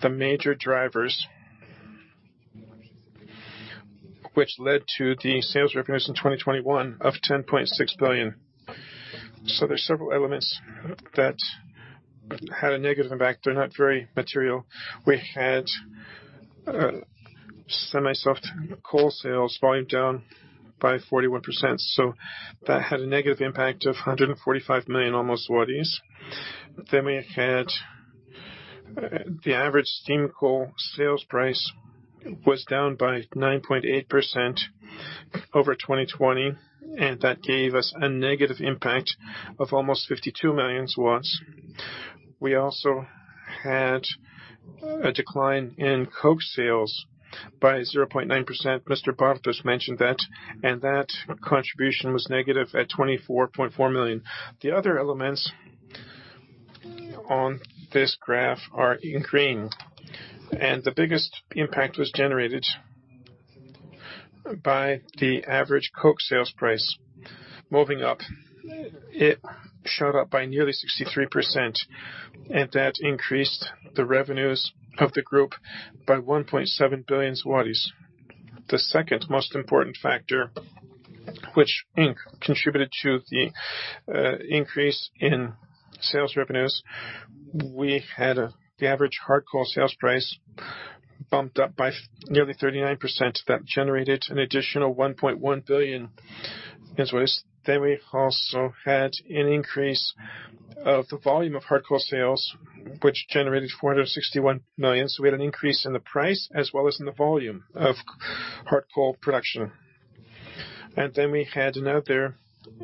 Speaker 4: the major drivers which led to the sales revenues in 2021 of 10.6 billion. There's several elements that had a negative impact. They're not very material. We had semi-soft coal sales volume down by 41%, so that had a negative impact of almost 145 million. We had the average steam coal sales price down by 9.8% over 2020, and that gave us a negative impact of almost 52 million. We also had a decline in coke sales by 0.9%. Mr. Bartos mentioned that, and that contribution was negative at 24.4 million. The other elements on this graph are in green, and the biggest impact was generated by the average coke sales price moving up. It shot up by nearly 63%, and that increased the revenues of the group by 1.7 billion zlotys. The second most important factor which contributed to the increase in sales revenues, we had the average hard coal sales price bumped up by nearly 39%. That generated an additional 1.1 billion as well. We also had an increase of the volume of hard coal sales, which generated 461 million. We had an increase in the price as well as in the volume of hard coal production. We had another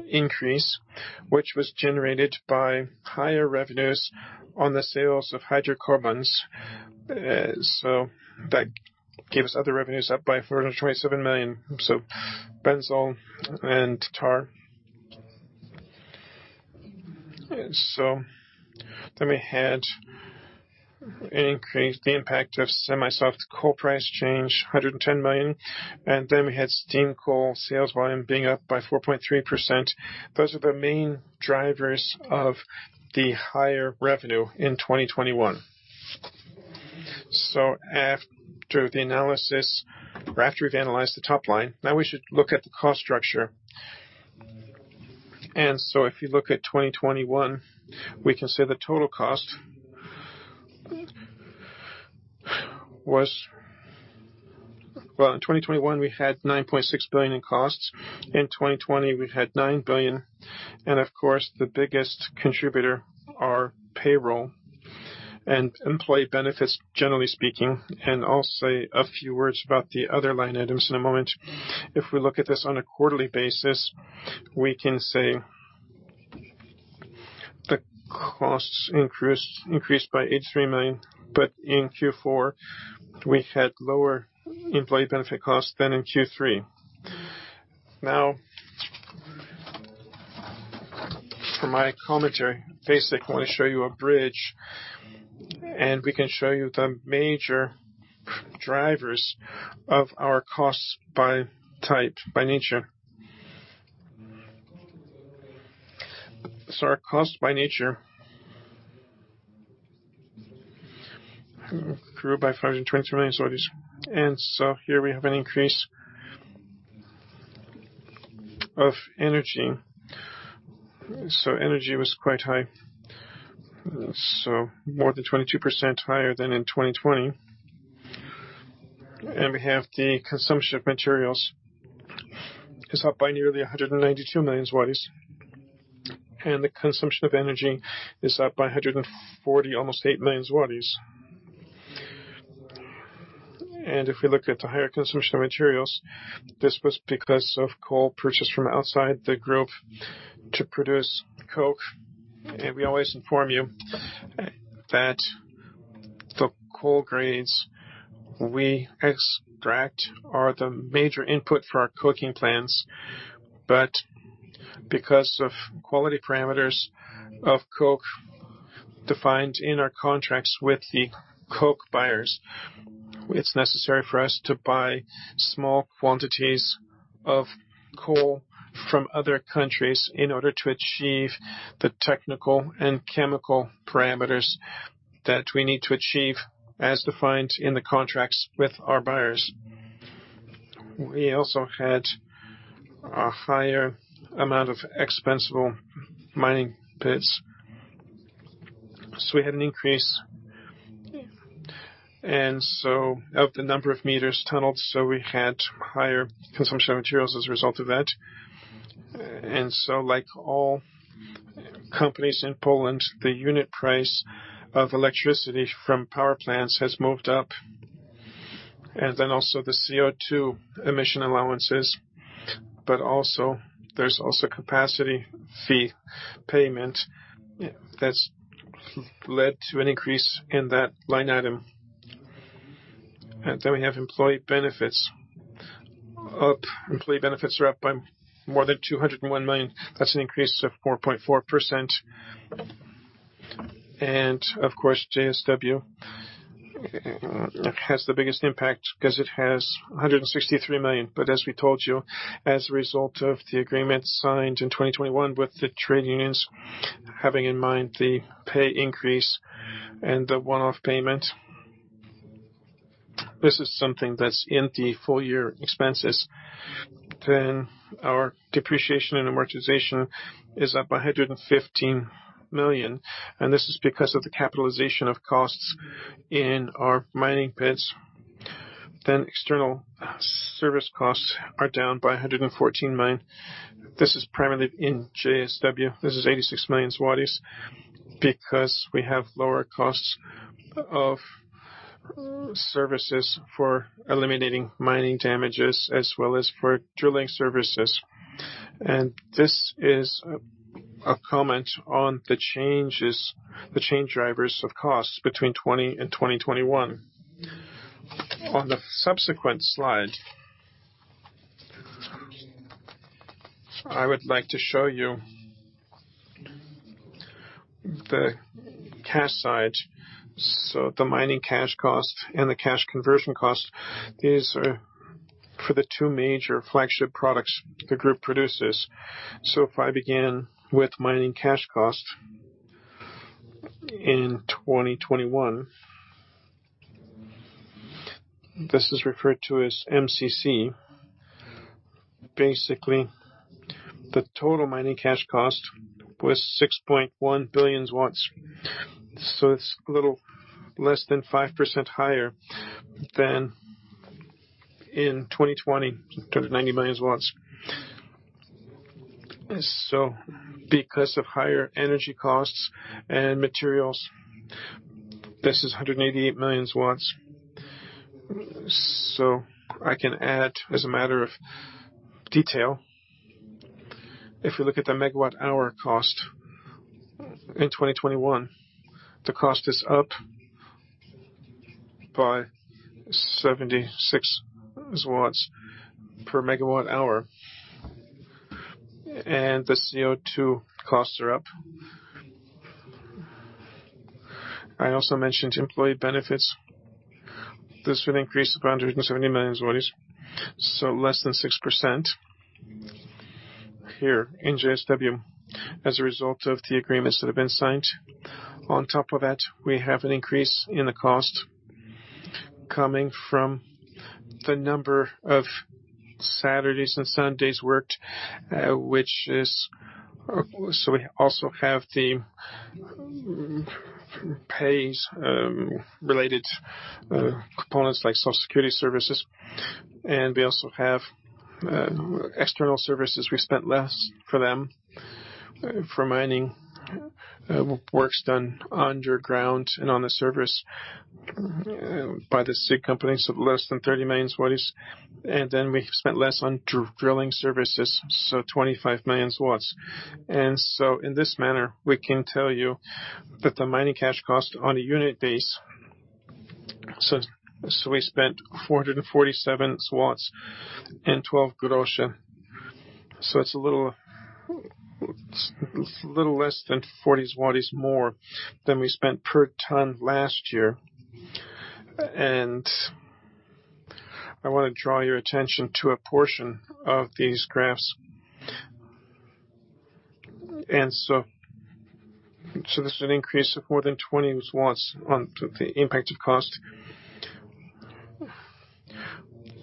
Speaker 4: increase, which was generated by higher revenues on the sales of hydrocarbons. That gave us other revenues up by 427 million. Benzol and tar. We had an increase, the impact of semi-soft coal price change, 110 million. We had steam coal sales volume being up by 4.3%. Those are the main drivers of the higher revenue in 2021. After the analysis or after we've analyzed the top line, now we should look at the cost structure. If you look at 2021, we can say the total cost was. Well, in 2021, we had 9.6 billion in costs. In 2020, we had 9 billion. Of course, the biggest contributor are payroll and employee benefits, generally speaking. I'll say a few words about the other line items in a moment. If we look at this on a quarterly basis, we can say the costs increased by 83 million. In Q4, we had lower employee benefit costs than in Q3. Now, for my commentary, basically, I want to show you a bridge, and we can show you the major drivers of our costs by type, by nature. Our costs by nature grew by 520 million. Here we have an increase of energy. Energy was quite high, so more than 22% higher than in 2020. We have the consumption of materials is up by nearly 192 million zlotys. The consumption of energy is up by a 140 milion, almost 8 million zlotys. If we look at the higher consumption of materials, this was because of coal purchased from outside the group to produce coke. We always inform you that the coal grades we extract are the major input for our coking plants. Because of quality parameters of coke defined in our contracts with the coke buyers, it's necessary for us to buy small quantities of coal from other countries in order to achieve the technical and chemical parameters that we need to achieve as defined in the contracts with our buyers. We also had a higher amount of expendable mining pits. We had an increase of the number of meters tunneled, so we had higher consumption of materials as a result of that. Like all companies in Poland, the unit price of electricity from power plants has moved up, and then also the CO₂ emission allowances. There's also capacity fee payment that's led to an increase in that line item. We have employee benefits up. Employee benefits are up by more than 201 million. That's an increase of 4.4%. Of course, JSW has the biggest impact because it has 163 million. As we told you, as a result of the agreement signed in 2021 with the trade unions, having in mind the pay increase and the one-off payment, this is something that's in the full year expenses. Our depreciation and amortization is up 115 million, and this is because of the capitalization of costs in our mining pits. External service costs are down by 114 million. This is primarily in JSW. This is 86 million because we have lower costs of services for eliminating mining damages as well as for drilling services. This is a comment on the changes, the change drivers of costs between 2020 and 2021. On the subsequent slide, I would like to show you the cash side. The mining cash cost and the cash conversion cost, these are for the two major flagship products the group produces. If I begin with mining cash costs in 2021, this is referred to as MCC. Basically, the total mining cash cost was 6.1 billion. It's a little less than 5% higher than in 2020, 290 million. Because of higher energy costs and materials, this is 188 million. I can add as a matter of detail, if we look at the megawatt-hour cost in 2021, the cost is up by 76 PLN per MWh, and the CO₂ costs are up. I also mentioned employee benefits. This would increase to 170 million zlotys, so less than 6% here in JSW as a result of the agreements that have been signed. On top of that, we have an increase in the cost coming from the number of Saturdays and Sundays worked. We also have the pays related components like Social Security services, and we also have external services. We spent less for them, for mining works done underground and on the surface by the SiG companies, so less than 30 million. We spent less on drilling services, so 25 million. In this manner, we can tell you that the mining cash cost on a unit base, so we spent 447.12. It's a little less than 40 zlotys more than we spent per tonne last year. I want to draw your attention to a portion of these graphs. There's an increase of more than 20 on the impact of cost.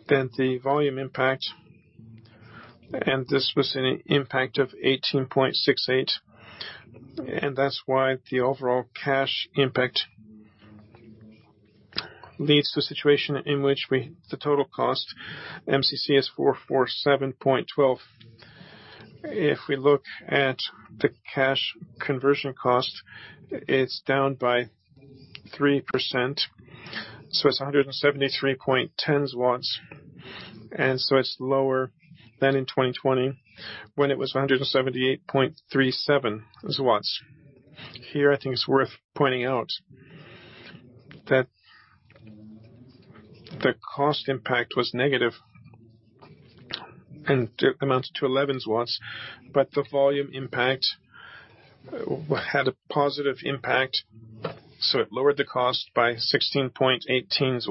Speaker 4: The volume impact, this was an impact of 18.68. That's why the overall cash impact leads to a situation in which we, the total cost, MCC is 447.12. If we look at the cash conversion cost, it's down by 3%. It's 173.10, it's lower than in 2020 when it was 178.37. Here, I think it's worth pointing out that the cost impact was negative and amounts to 11, but the volume impact had a positive impact, so it lowered the cost by 16.18.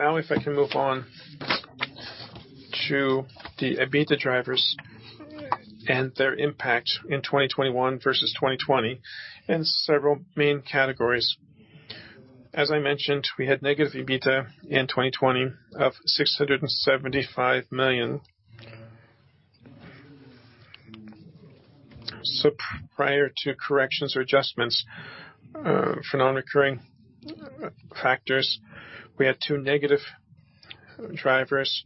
Speaker 4: Now, if I can move on to the EBITDA drivers and their impact in 2021 versus 2020, and several main categories. As I mentioned, we had negative EBITDA in 2020 of 675 million. Prior to corrections or adjustments for non-recurring factors, we had two negative drivers.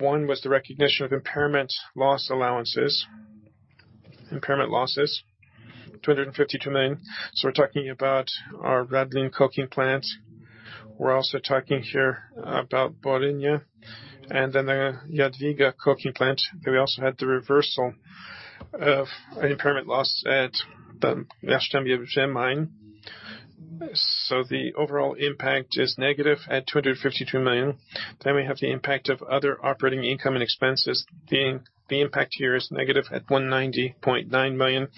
Speaker 4: One was the recognition of impairment loss allowances, impairment losses, 252 million. We're talking about our Radlin coking plants. We're also talking here about Borynia and then the Jadwiga coking plant. We also had the reversal of an impairment loss at the Jasztąbiec mine. The overall impact is negative at 252 million. We have the impact of other operating income and expenses. The impact here is negative at 190.9 million.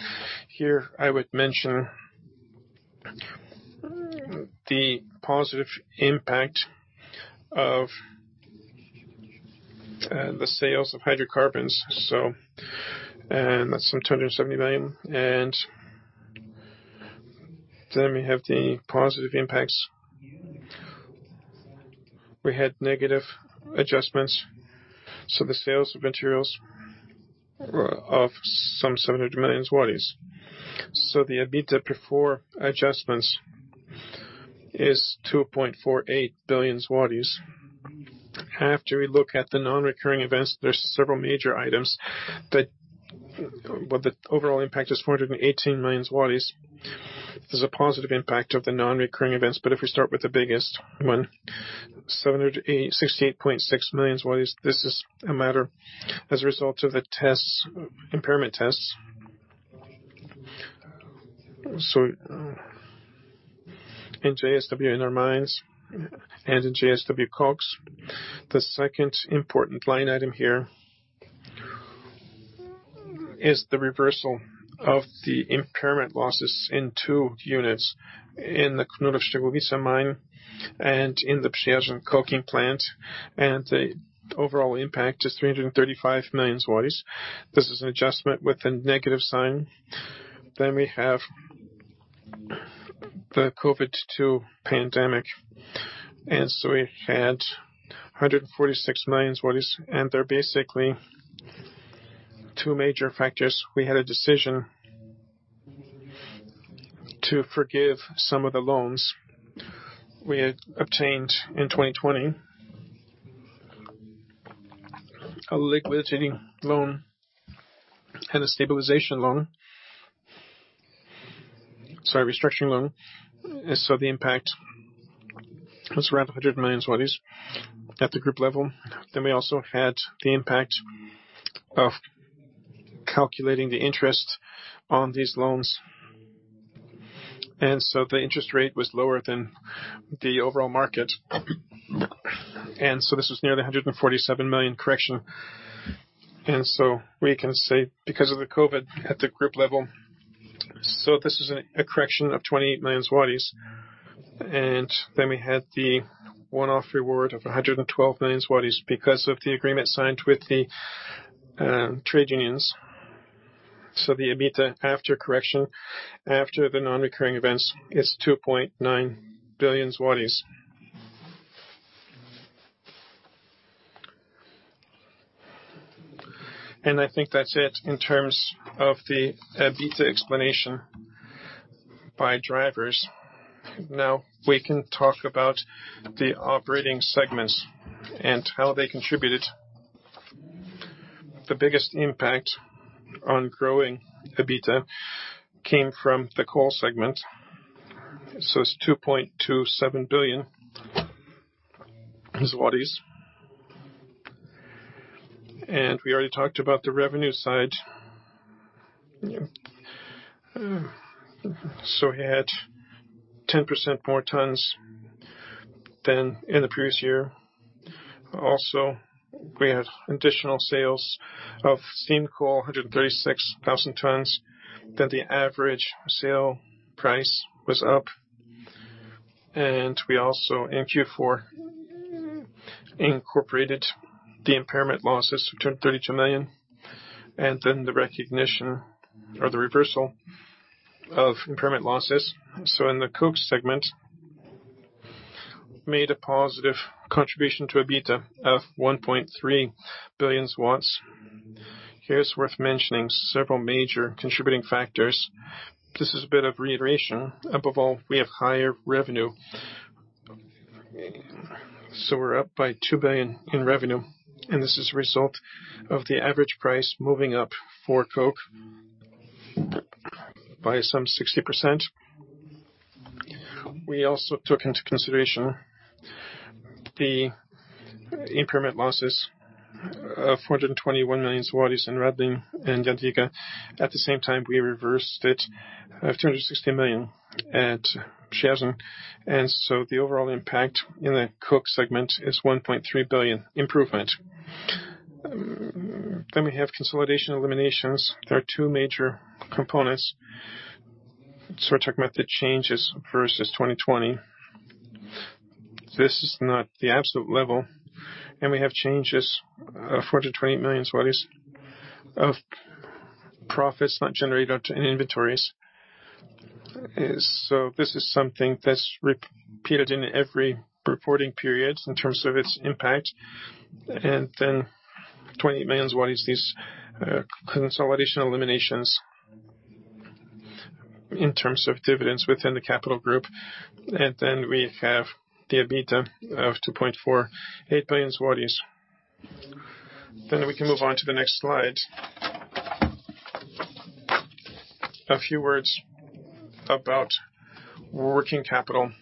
Speaker 4: Here, I would mention the positive impact of the sales of hydrocarbons. That's some 270 million. We have the positive impacts. We had negative adjustments. The sales of materials were of some 700 million zlotys. The EBITDA before adjustments is 2.48 billion zlotys. After we look at the non-recurring events, there's several major items. The overall impact is 418 million zlotys. There's a positive impact of the non-recurring events, but if we start with the biggest one, 768.6 million zlotys. This is a matter as a result of the tests, impairment tests. In JSW and our mines and in JSW KOKS. The second important line item here is the reversal of the impairment losses in two units, in the Knurów-Szczygłowice mine and in the Przeworsk coking plant. The overall impact is 335 million zlotys. This is an adjustment with a negative sign. We have the COVID-19 pandemic. We had PLN 146 million. There are basically two major factors. We had a decision to forgive some of the loans we had obtained in 2020. A liquidating loan and a stabilization loan. Sorry, restructuring loan. The impact was around 100 million at the group level. We also had the impact of calculating the interest on these loans. The interest rate was lower than the overall market. This was near the 147 million correction. We can say because of the COVID at the group level. This is a correction of 28 million zlotys. We had the one-off reward of 112 million zlotys because of the agreement signed with the trade unions. The EBITDA after correction, after the non-recurring events, is 2.9 billion. I think that's it in terms of the EBITDA explanation by drivers. We can talk about the operating segments and how they contributed. The biggest impact on growing EBITDA came from the coal segment. It's 2.27 billion. We already talked about the revenue side. We had 10% more tonnes than in the previous year. Also, we had additional sales of steam coal, 136,000 tonnes. The average sale price was up. We also, in Q4, incorporated the impairment losses of 232 million, and then the recognition or the reversal of impairment losses. In the coke segment made a positive contribution to EBITDA of 1.3 billion. Here it's worth mentioning several major contributing factors. This is a bit of reiteration. Above all, we have higher revenue. We're up by 2 billion in revenue, and this is a result of the average price moving up for coke by some 60%. We also took into consideration the impairment losses of 421 million zlotys in Radlin and Jadwiga. At the same time, we reversed it of 260 million at Przeworsk. The overall impact in the coke segment is 1.3 billion improvement. We have consolidation eliminations. There are two major components. We're talking about the changes versus 2020. This is not the absolute level, and we have changes, 48 million of profits not generated in inventories. This is something that's repeated in every reporting period in terms of its impact. 20 million is these consolidation eliminations in terms of dividends within the capital group. We have the EBITDA of 2.48 billion zlotys. We can move on to the next slide. A few words about working capital.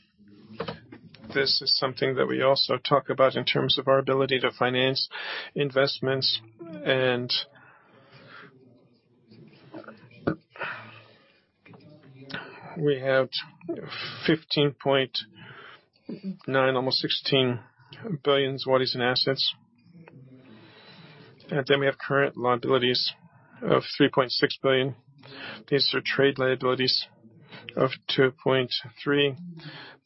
Speaker 4: This is something that we also talk about in terms of our ability to finance investments. We have 15.9 billion, almost 16 billion in assets. We have current liabilities of 3.6 billion. These are trade liabilities of 2.3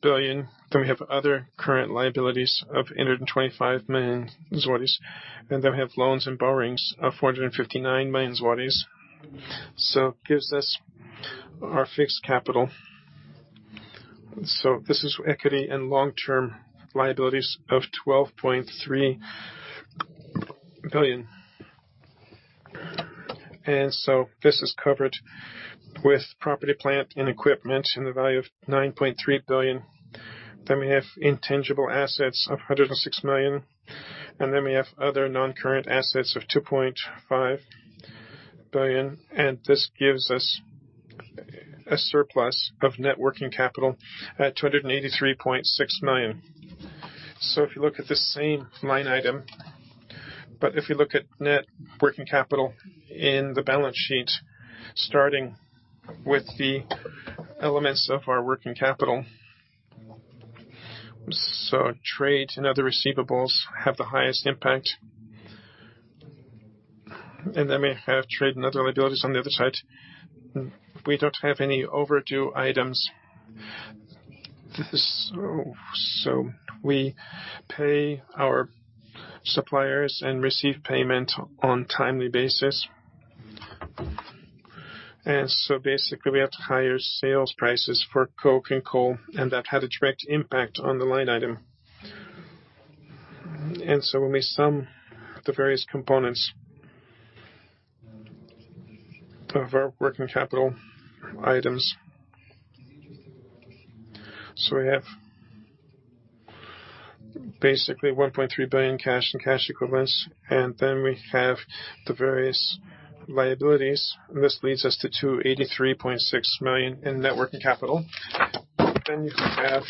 Speaker 4: billion. We have other current liabilities of 125 million zlotys. We have loans and borrowings of 459 million zlotys. Gives us our fixed capital. This is equity and long-term liabilities of 12.3 billion. This is covered with property, plant, and equipment in the value of 9.3 billion. We have intangible assets of 106 million, and then we have other non-current assets of 2.5 billion. This gives us a surplus of net working capital at 283.6 million. If you look at the same line item, but if you look at net working capital in the balance sheet, starting with the elements of our working capital. Trade and other receivables have the highest impact. We have trade and other liabilities on the other side. We don't have any overdue items. We pay our suppliers and receive payment on timely basis. Basically, we have higher sales prices for coke and coal, and that had a direct impact on the line item. When we sum the various components of our working capital items, we have basically 1.3 billion cash and cash equivalents, and then we have the various liabilities. This leads us to 283.6 million in net working capital. You have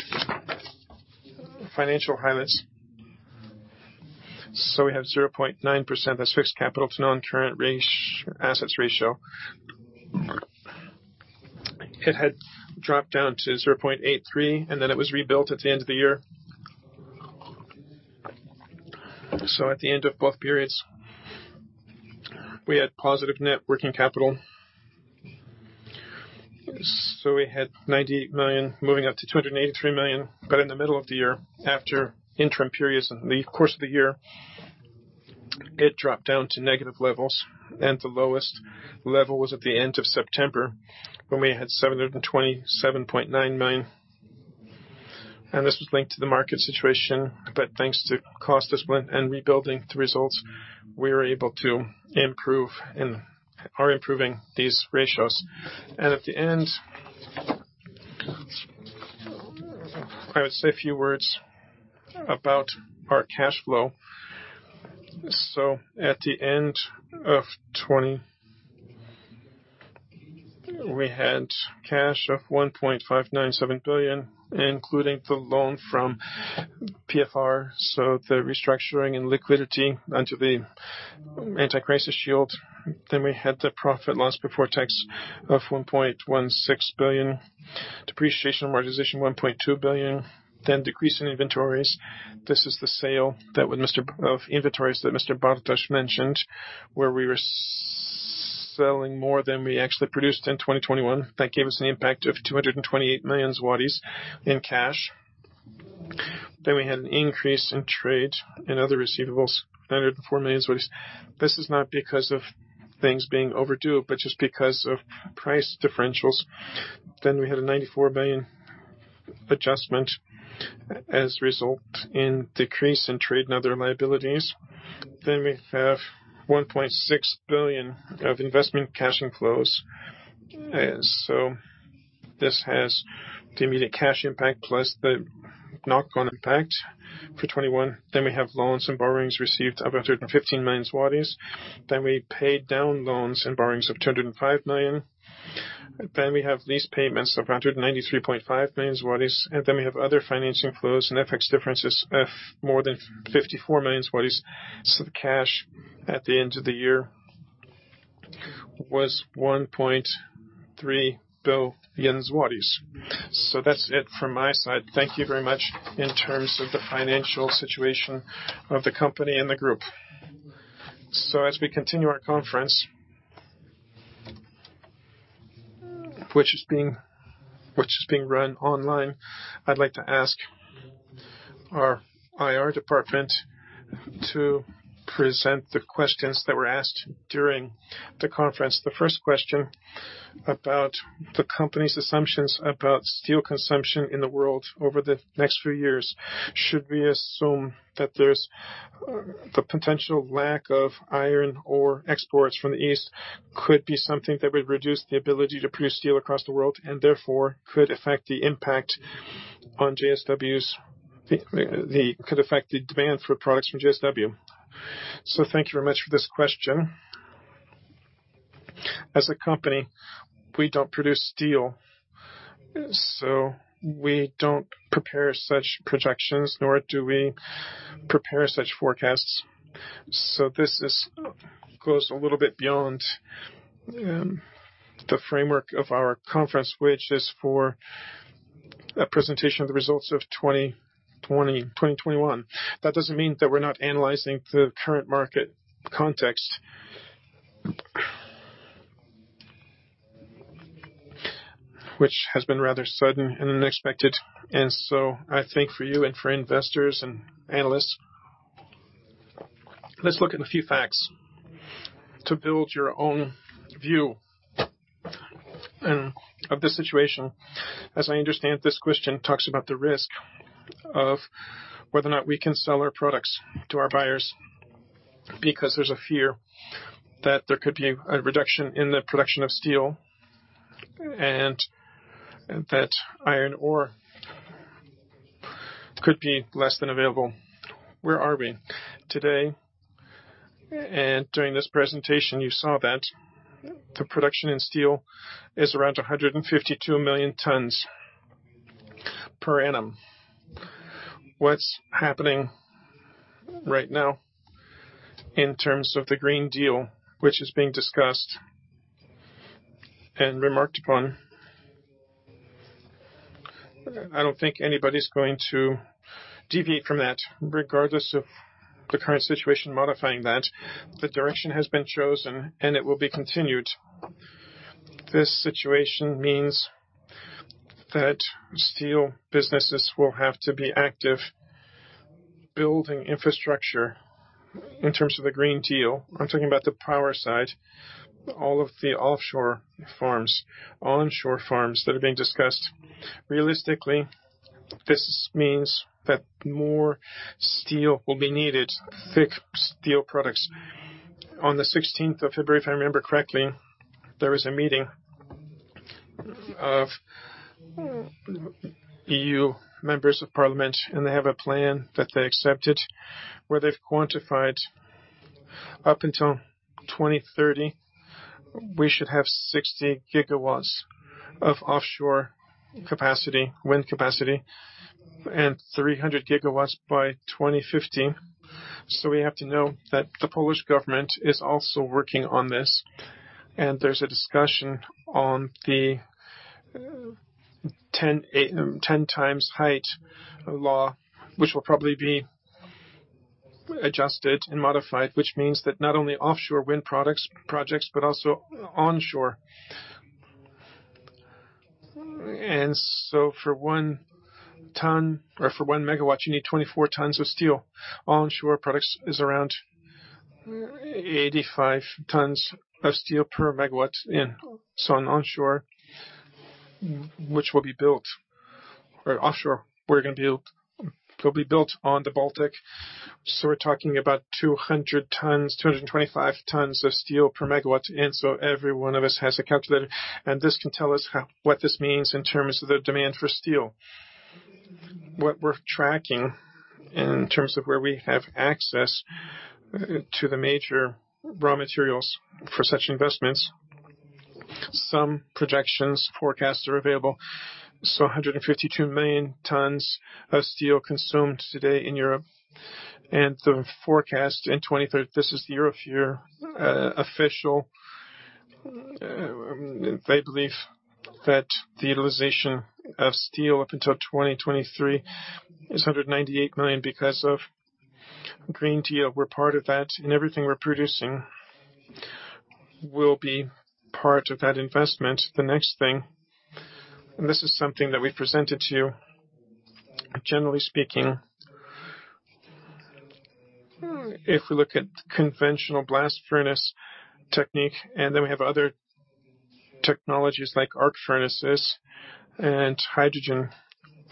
Speaker 4: financial highlights. We have 0.9% as fixed capital to non-current assets ratio. It had dropped down to 0.83, and then it was rebuilt at the end of the year. At the end of both periods, we had positive net working capital. We had 90 million moving up to 283 million. In the middle of the year, after interim periods and the course of the year, it dropped down to negative levels. The lowest level was at the end of September when we had -727.9 million. This was linked to the market situation, but thanks to cost discipline and rebuilding the results, we were able to improve and are improving these ratios. At the end, I would say a few words about our cash flow. At the end of 2020, we had cash of 1.597 billion, including the loan from PFR, so the restructuring and liquidity under the Anti-Crisis Shield. We had the profit/loss before tax of 1.16 billion. Depreciation and amortization, 1.2 billion. Decrease in inventories. This is the sale of inventories that Mr. Bartos mentioned, where we were selling more than we actually produced in 2021. That gave us an impact of 228 million zlotys in cash. We had an increase in trade and other receivables, 104 million. This is not because of things being overdue, but just because of price differentials. We had a 94 million adjustment as a result of decrease in trade and other liabilities. We have 1.6 billion of investment cash inflows. This has the immediate cash impact plus the ongoing impact for 2021. We have loans and borrowings received of 115 million zlotys. We paid down loans and borrowings of 205 million. We have lease payments of 193.5 million zlotys. We have other financing flows and FX differences of more than 54 million zlotys. The cash at the end of the year was 1.3 billion zlotys. That's it from my side.
Speaker 1: Thank you very much in terms of the financial situation of the company and the group. As we continue our conference, which is being run online, I'd like to ask our IR department to present the questions that were asked during the conference. The first question about the company's assumptions about steel consumption in the world over the next few years. Should we assume that there's the potential lack of iron ore exports from the east could be something that would reduce the ability to produce steel across the world and therefore could affect the demand for products from JSW. Thank you very much for this question. As a company, we don't produce steel, so we don't prepare such projections, nor do we prepare such forecasts. This goes a little bit beyond the framework of our conference, which is for a presentation of the results of 2020, 2021. That doesn't mean that we're not analyzing the current market context, which has been rather sudden and unexpected. I think for you and for investors and analysts, let's look at a few facts to build your own view of the situation. As I understand it, this question talks about the risk of whether or not we can sell our products to our buyers because there's a fear that there could be a reduction in the production of steel and that iron ore could be less than available. Where are we today? During this presentation you saw that the production in steel is around 152 million tonnes per annum. What's happening right now in terms of the Green Deal, which is being discussed and remarked upon, I don't think anybody's going to deviate from that, regardless of the current situation modifying that. The direction has been chosen and it will be continued. This situation means that steel businesses will have to be active building infrastructure in terms of the Green Deal. I'm talking about the power side. All of the offshore farms, onshore farms that are being discussed. Realistically, this means that more steel will be needed, thick steel products. On the 16th of February, if I remember correctly, there was a meeting of EU members of parliament, and they have a plan that they accepted, where they've quantified up until 2030, we should have 60 gigawatts of offshore capacity, wind capacity and 300 gigawatts by 2050. We have to know that the Polish government is also working on this, and there's a discussion on the 10H law, which will probably be adjusted and modified, which means that not only offshore wind products, projects, but also onshore. For 1 tonne or for 1 MW, you need 24 tonnes of steel. Onshore products is around 85 tonnes of steel per MW. An onshore which will be built or offshore, we're gonna build, it will be built on the Baltic. We're talking about 200 tonnes, 225 tonnes of steel per MW. Every one of us has a calculator. This can tell us how, what this means in terms of the demand for steel. What we're tracking in terms of where we have access to the major raw materials for such investments. Some projections, forecasts are available. 152 million tonnes of steel consumed today in Europe. The forecast in 2023, this is the EUROFER official, they believe that the utilization of steel up until 2023 is 198 million because of Green Deal. We're part of that, and everything we're producing will be part of that investment. The next thing, and this is something that we presented to you. Generally speaking, if we look at conventional blast furnace technique, and then we have other technologies like arc furnaces and hydrogen,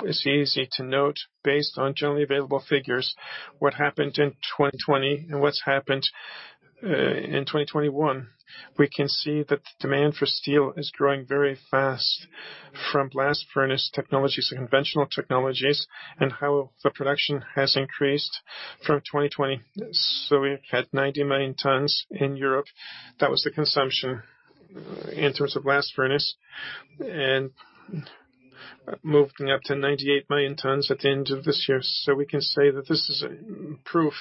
Speaker 1: it's easy to note, based on generally available figures, what happened in 2020 and what's happened in 2021. We can see that the demand for steel is growing very fast from blast furnace technologies to conventional technologies, and how the production has increased from 2020. We've had 90 million tonnes in Europe. That was the consumption in terms of blast furnace and moving up to 98 million tonnes at the end of this year. We can say that this is proof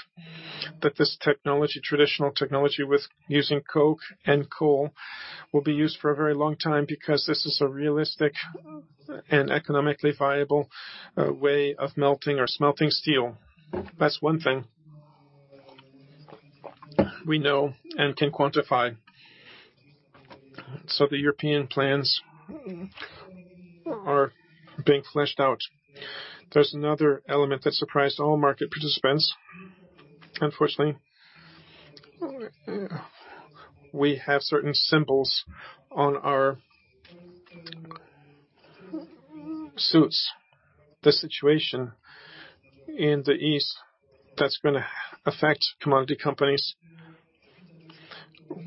Speaker 1: that this technology, traditional technology with using coke and coal, will be used for a very long time because this is a realistic. An economically viable way of melting or smelting steel. That's one thing we know and can quantify. The European plans are being fleshed out. There's another element that surprised all market participants. Unfortunately, we have certain symbols on our suits. The situation in the east that's gonna affect commodity companies,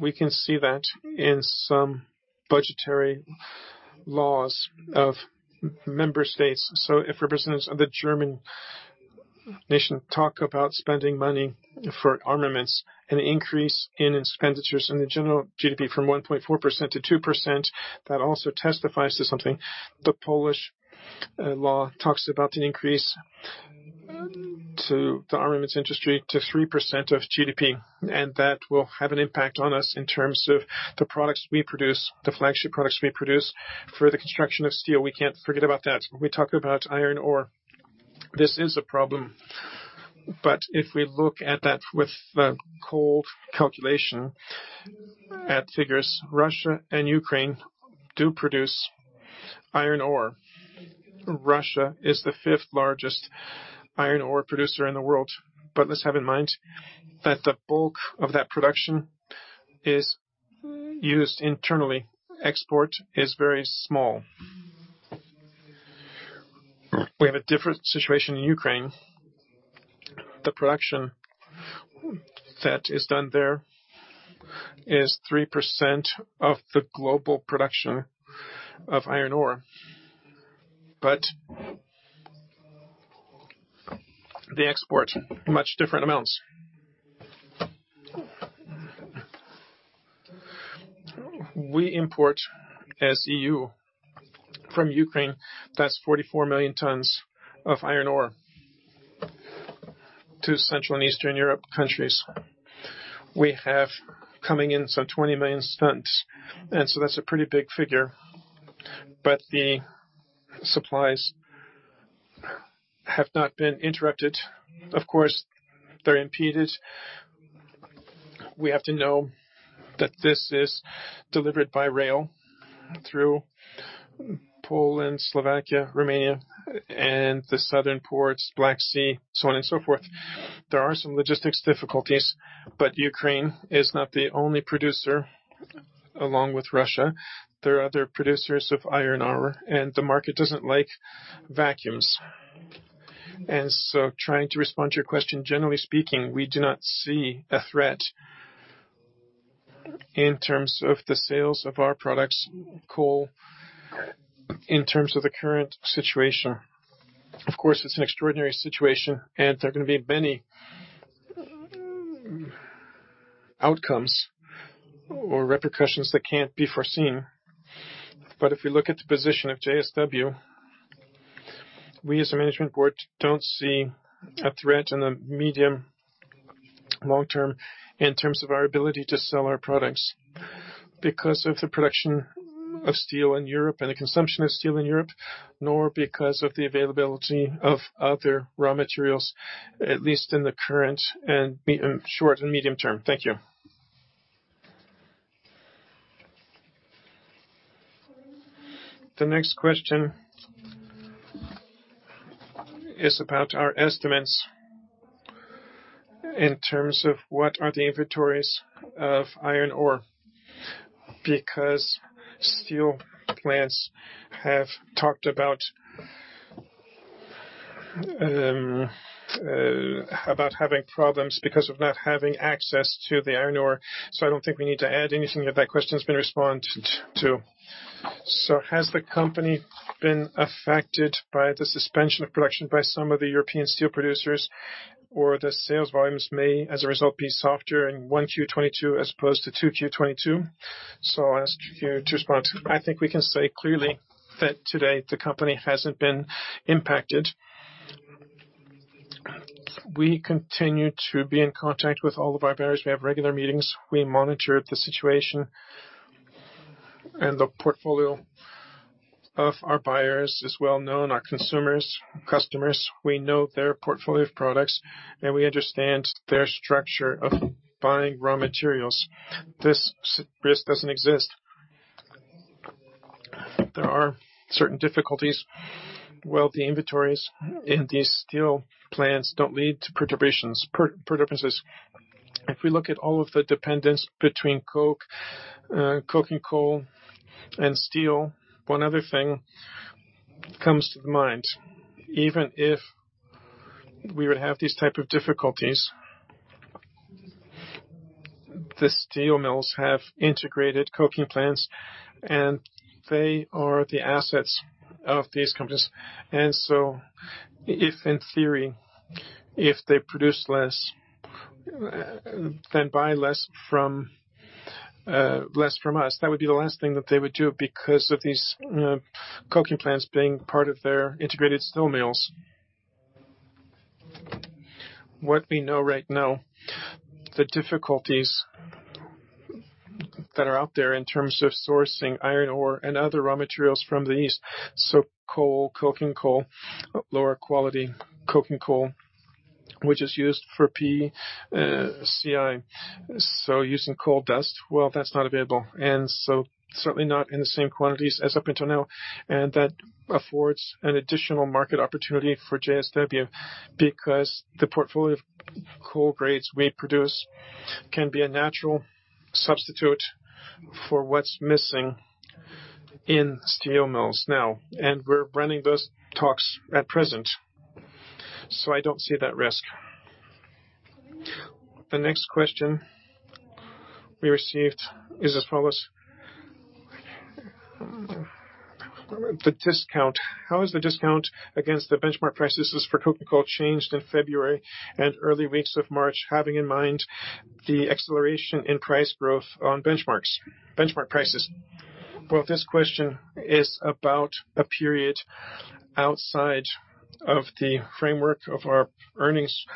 Speaker 1: we can see that in some budgetary laws of member states. If representatives of the German nation talk about spending money for armaments, an increase in expenditures in the general GDP from 1.4% to 2%, that also testifies to something. The Polish law talks about an increase to the armaments industry to 3% of GDP, and that will have an impact on us in terms of the products we produce, the flagship products we produce for the construction of steel. We can't forget about that. We talk about iron ore. This is a problem. If we look at that with a cold calculation at figures, Russia and Ukraine do produce iron ore. Russia is the fifth largest iron ore producer in the world. Let's have in mind that the bulk of that production is used internally. Export is very small. We have a different situation in Ukraine. The production that is done there is 3% of the global production of iron ore. They export much different amounts. We import, as EU, from Ukraine. That's 44 million tonnes of iron ore to Central and Eastern European countries. We have coming in some 20 million tonnes, and so that's a pretty big figure. The supplies have not been interrupted. Of course, they're impeded. We have to know that this is delivered by rail through Poland, Slovakia, Romania and the southern ports, Black Sea, so on and so forth. There are some logistics difficulties, but Ukraine is not the only producer along with Russia. There are other producers of iron ore, and the market doesn't like vacuums. Trying to respond to your question, generally speaking, we do not see a threat in terms of the sales of our products, coal, in terms of the current situation. Of course, it's an extraordinary situation and there are gonna be many outcomes or repercussions that can't be foreseen. If we look at the position of JSW, we as a management board don't see a threat in the medium long term in terms of our ability to sell our products because of the production of steel in Europe and the consumption of steel in Europe, nor because of the availability of other raw materials, at least in the current and short and medium term. Thank you. The next question is about our estimates in terms of what are the inventories of iron ore, because steel plants have talked about having problems because of not having access to the iron ore. I don't think we need to add anything, that question's been responded to. Has the company been affected by the suspension of production by some of the European steel producers or the sales volumes may, as a result, be softer in 1Q 2022 as opposed to 2Q 2022? I'll ask you to respond to that. I think we can say clearly that today the company hasn't been impacted. We continue to be in contact with all of our buyers. We have regular meetings. We monitor the situation and the portfolio of our buyers is well known. Our consumers, customers, we know their portfolio of products and we understand their structure of buying raw materials. This s-risk doesn't exist. There are certain difficulties. While the inventories in these steel plants don't lead to perturbations. If we look at all of the dependence between coke, coking coal and steel, one other thing comes to mind. Even if we would have these type of difficulties, the steel mills have integrated coking plants and they are the assets of these companies. If in theory, if they produce less, then buy less from, less from us, that would be the last thing that they would do because of these, coking plants being part of their integrated steel mills. What we know right now, the difficulties that are out there in terms of sourcing iron ore and other raw materials from the east, so coal, coking coal, lower quality coking coal, which is used for PCI. Using coal dust, that's not available, and certainly not in the same quantities as up until now. That affords an additional market opportunity for JSW because the portfolio of coal grades we produce can be a natural substitute for what's missing in steel mills now. We're running those talks at present. I don't see that risk. The next question we received is as follows. The discount. How is the discount against the benchmark prices for coking coal changed in February and early weeks of March, having in mind the acceleration in price growth on benchmarks, benchmark prices? Well, this question is about a period outside of the framework of our earnings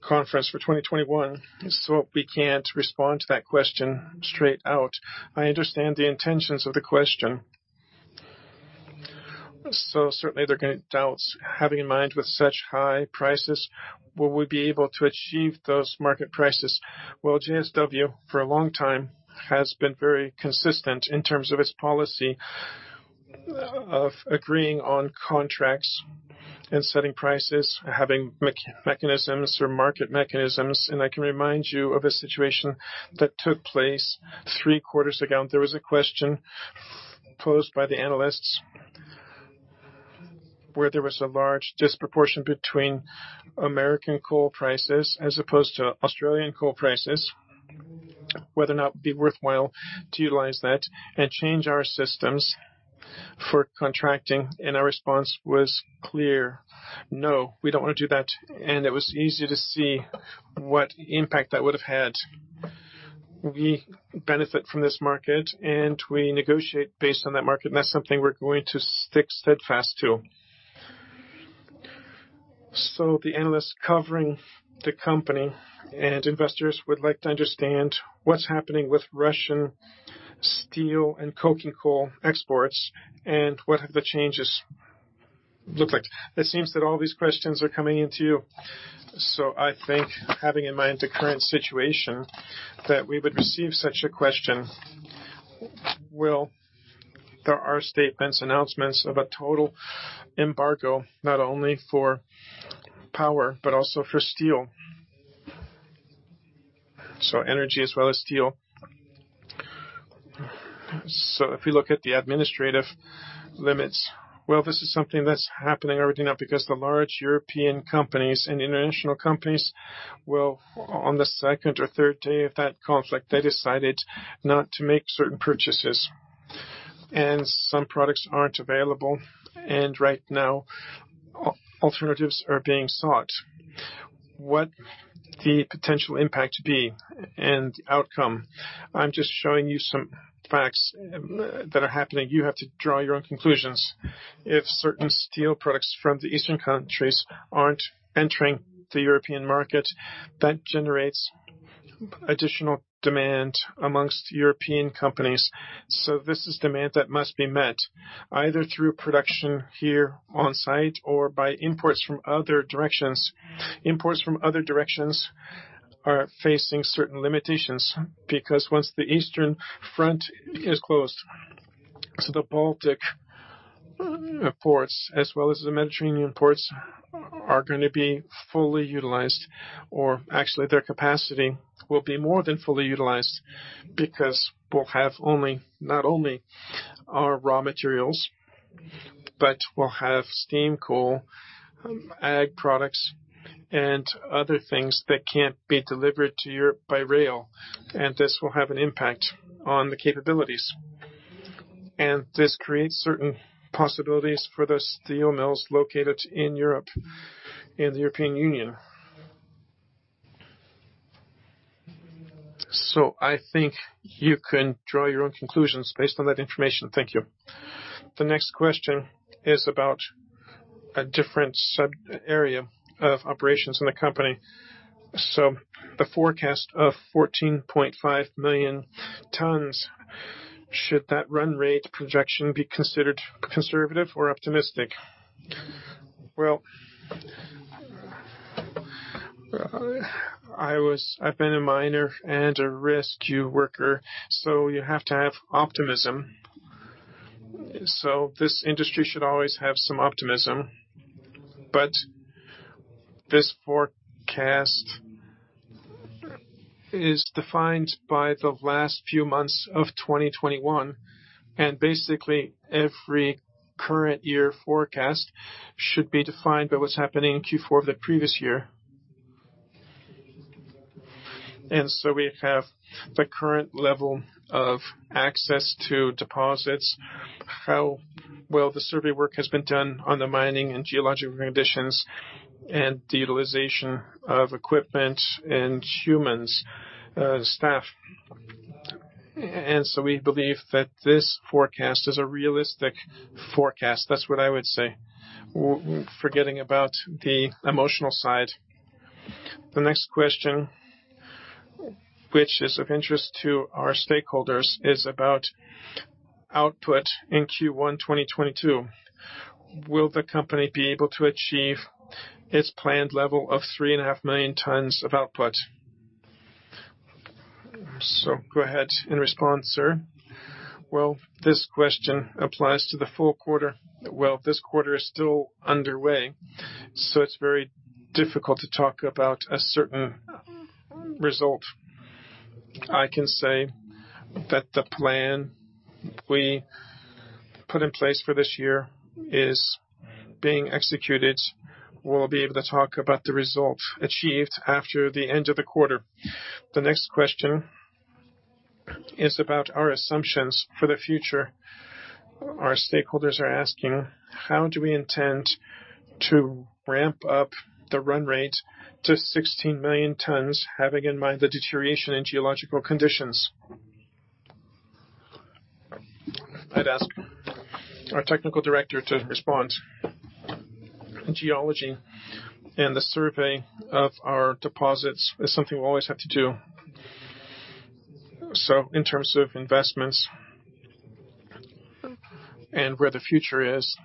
Speaker 1: conference for 2021, so we can't respond to that question straight out. I understand the intentions of the question. Certainly, there are gonna be doubts, having in mind with such high prices, will we be able to achieve those market prices? Well, JSW, for a long time, has been very consistent in terms of its policy of agreeing on contracts and setting prices, having mechanisms or market mechanisms. I can remind you of a situation that took place three quarters ago, and there was a question posed by the analysts where there was a large disproportion between American coal prices as opposed to Australian coal prices, whether or not it would be worthwhile to utilize that and change our systems for contracting. Our response was clear. No, we don't want to do that, and it was easy to see what impact that would have had. We benefit from this market and we negotiate based on that market, and that's something we're going to stick steadfast to. The analysts covering the company and investors would like to understand what's happening with Russian steel and coking coal exports and what have the changes look like. It seems that all these questions are coming into you. I think having in mind the current situation that we would receive such a question. Well, there are statements, announcements about total embargo, not only for power, but also for steel. Energy as well as steel. If you look at the administrative limits, well, this is something that's happening already now because the large European companies and international companies, well, on the second or third day of that conflict, they decided not to make certain purchases. Some products aren't available, and right now, alternatives are being sought. What would the potential impact be and outcome? I'm just showing you some facts that are happening. You have to draw your own conclusions. If certain steel products from the eastern countries aren't entering the European market, that generates additional demand among European companies. This is demand that must be met either through production here on-site or by imports from other directions. Imports from other directions are facing certain limitations because once the eastern front is closed, the Baltic ports as well as the Mediterranean ports are gonna be fully utilized, or actually their capacity will be more than fully utilized because we'll have not only our raw materials, but we'll have steam coal, ag products, and other things that can't be delivered to Europe by rail. This will have an impact on the capabilities. This creates certain possibilities for the steel mills located in Europe, in the European Union. I think you can draw your own conclusions based on that information. Thank you. The next question is about a different sub-area of operations in the company. The forecast of 14.5 million tonnes, should that run rate projection be considered conservative or optimistic? Well, I've been a miner and a rescue worker, so you have to have optimism. This industry should always have some optimism. This forecast is defined by the last few months of 2021, and basically every current year forecast should be defined by what's happening in Q4 of the previous year. We have the current level of access to deposits, how well the survey work has been done on the mining and geological conditions, and the utilization of equipment and humans, staff. We believe that this forecast is a realistic forecast. That's what I would say. Forgetting about the emotional side. The next question, which is of interest to our stakeholders, is about output in Q1 2022.
Speaker 2: Will the company be able to achieve its planned level of 3.5 million tonnes of output? Go ahead and respond, sir. Well, this question applies to the full quarter. Well, this quarter is still underway, so it's very difficult to talk about a certain result. I can say that the plan we put in place for this year is being executed. We'll be able to talk about the results achieved after the end of the quarter. The next question is about our assumptions for the future. Our stakeholders are asking, how do we intend to ramp up the run rate to 16 million tonnes, having in mind the deterioration in geological conditions? I'd ask our technical director to respond. Geology and the survey of our deposits is something we always have to do. In terms of investments and where the future is,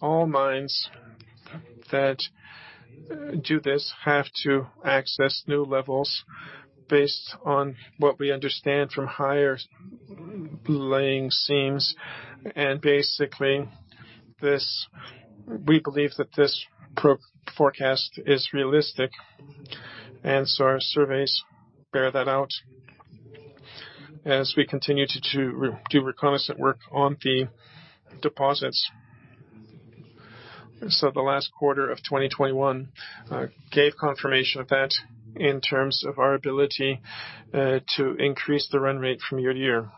Speaker 2: all mines that do this have to access new levels based on what we understand from higher-lying seams. Basically we believe that this our forecast is realistic, and our surveys bear that out as we continue to do reconnaissance work on the deposits. The last quarter of 2021 gave confirmation of that in terms of our ability to increase the run rate from year to year.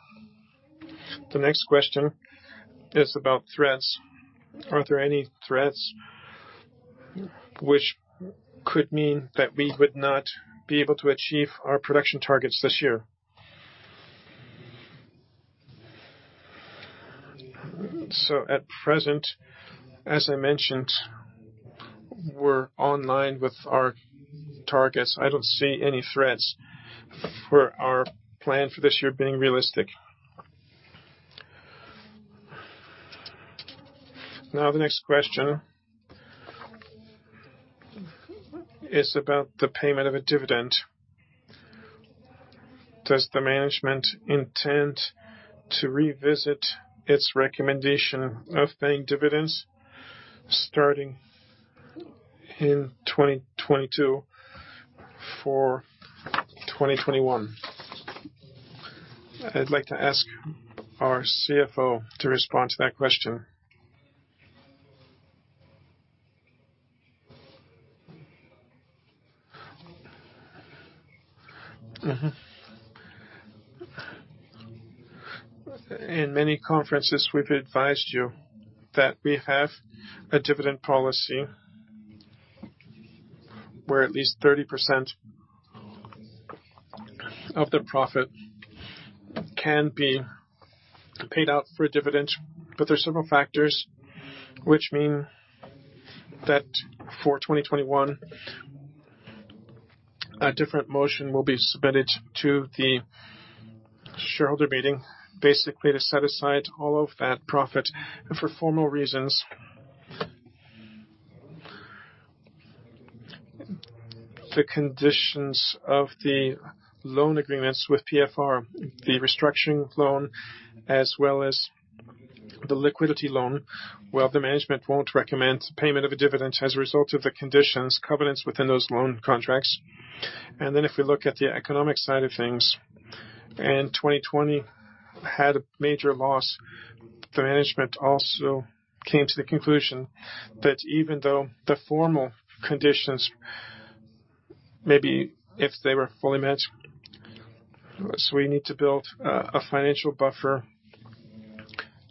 Speaker 2: The next question is about threats. Are there any threats which could mean that we would not be able to achieve our production targets this year? At present, as I mentioned, we're on track with our targets. I don't see any threats for our plan for this year being realistic. Now, the next question is about the payment of a dividend.
Speaker 1: Does the management intend to revisit its recommendation of paying dividends starting in 2022 for 2021? I'd like to ask our CFO to respond to that question.
Speaker 4: In many conferences, we've advised you that we have a dividend policy where at least 30% of the profit can be paid out for a dividend. There are several factors which mean that for 2021, a different motion will be submitted to the shareholder meeting, basically to set aside all of that profit for formal reasons, the conditions of the loan agreements with PFR, the restructuring loan, as well as the liquidity loan. Well, the management won't recommend payment of a dividend as a result of the conditions and covenants within those loan contracts. If we look at the economic side of things, 2020 had a major loss. The management also came to the conclusion that even though the formal conditions, maybe if they were fully matched, we need to build a financial buffer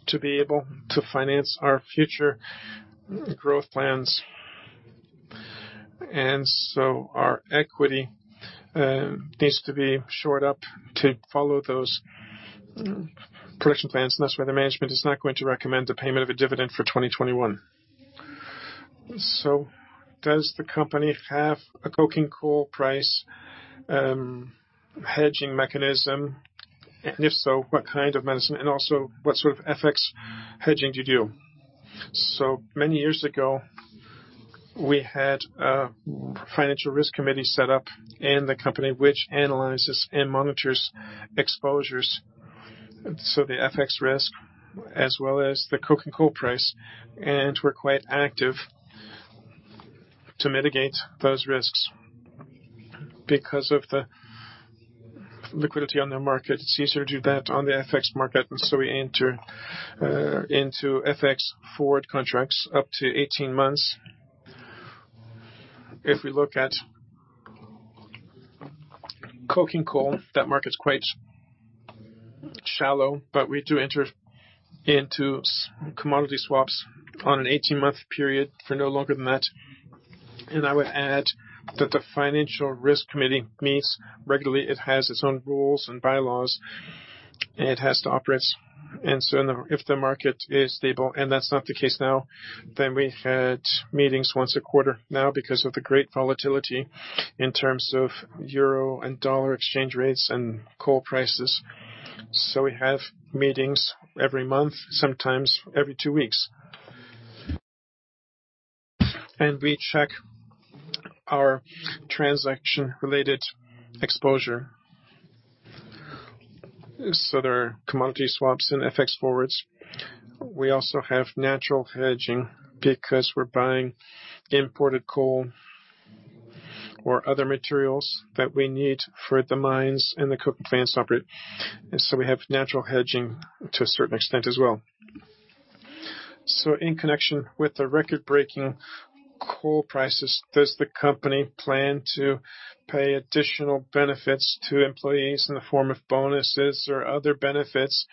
Speaker 4: to be able to finance our future growth plans. Our equity needs to be shored up to follow those production plans. That's why the management is not going to recommend the payment of a dividend for 2021.
Speaker 1: Does the company have a coking coal price hedging mechanism? And if so, what kind of mechanism? And also what sort of FX hedging do you do?
Speaker 4: Many years ago, we had a financial risk committee set up in the company which analyzes and monitors exposures, so the FX risk as well as the coking coal price. We're quite active to mitigate those risks. Because of the liquidity on the market, it's easier to do that on the FX market, and so we enter into FX forward contracts up to 18 months. If we look at coking coal, that market's quite shallow, but we do enter into commodity swaps on an 18-month period for no longer than that. I would add that the Financial Risk Committee meets regularly. It has its own rules and bylaws, it has to operate. If the market is stable, and that's not the case now, then we've had meetings once a quarter. Now, because of the great volatility in terms of euro and dollar exchange rates and coal prices, we have meetings every month, sometimes every two weeks. We check our transaction-related exposure. There are commodity swaps and FX forwards. We also have natural hedging because we're buying imported coal or other materials that we need for the mines and the coke plants operate. We have natural hedging to a certain extent as well.
Speaker 1: In connection with the record-breaking coal prices, does the company plan to pay additional benefits to employees in the form of bonuses or other benefits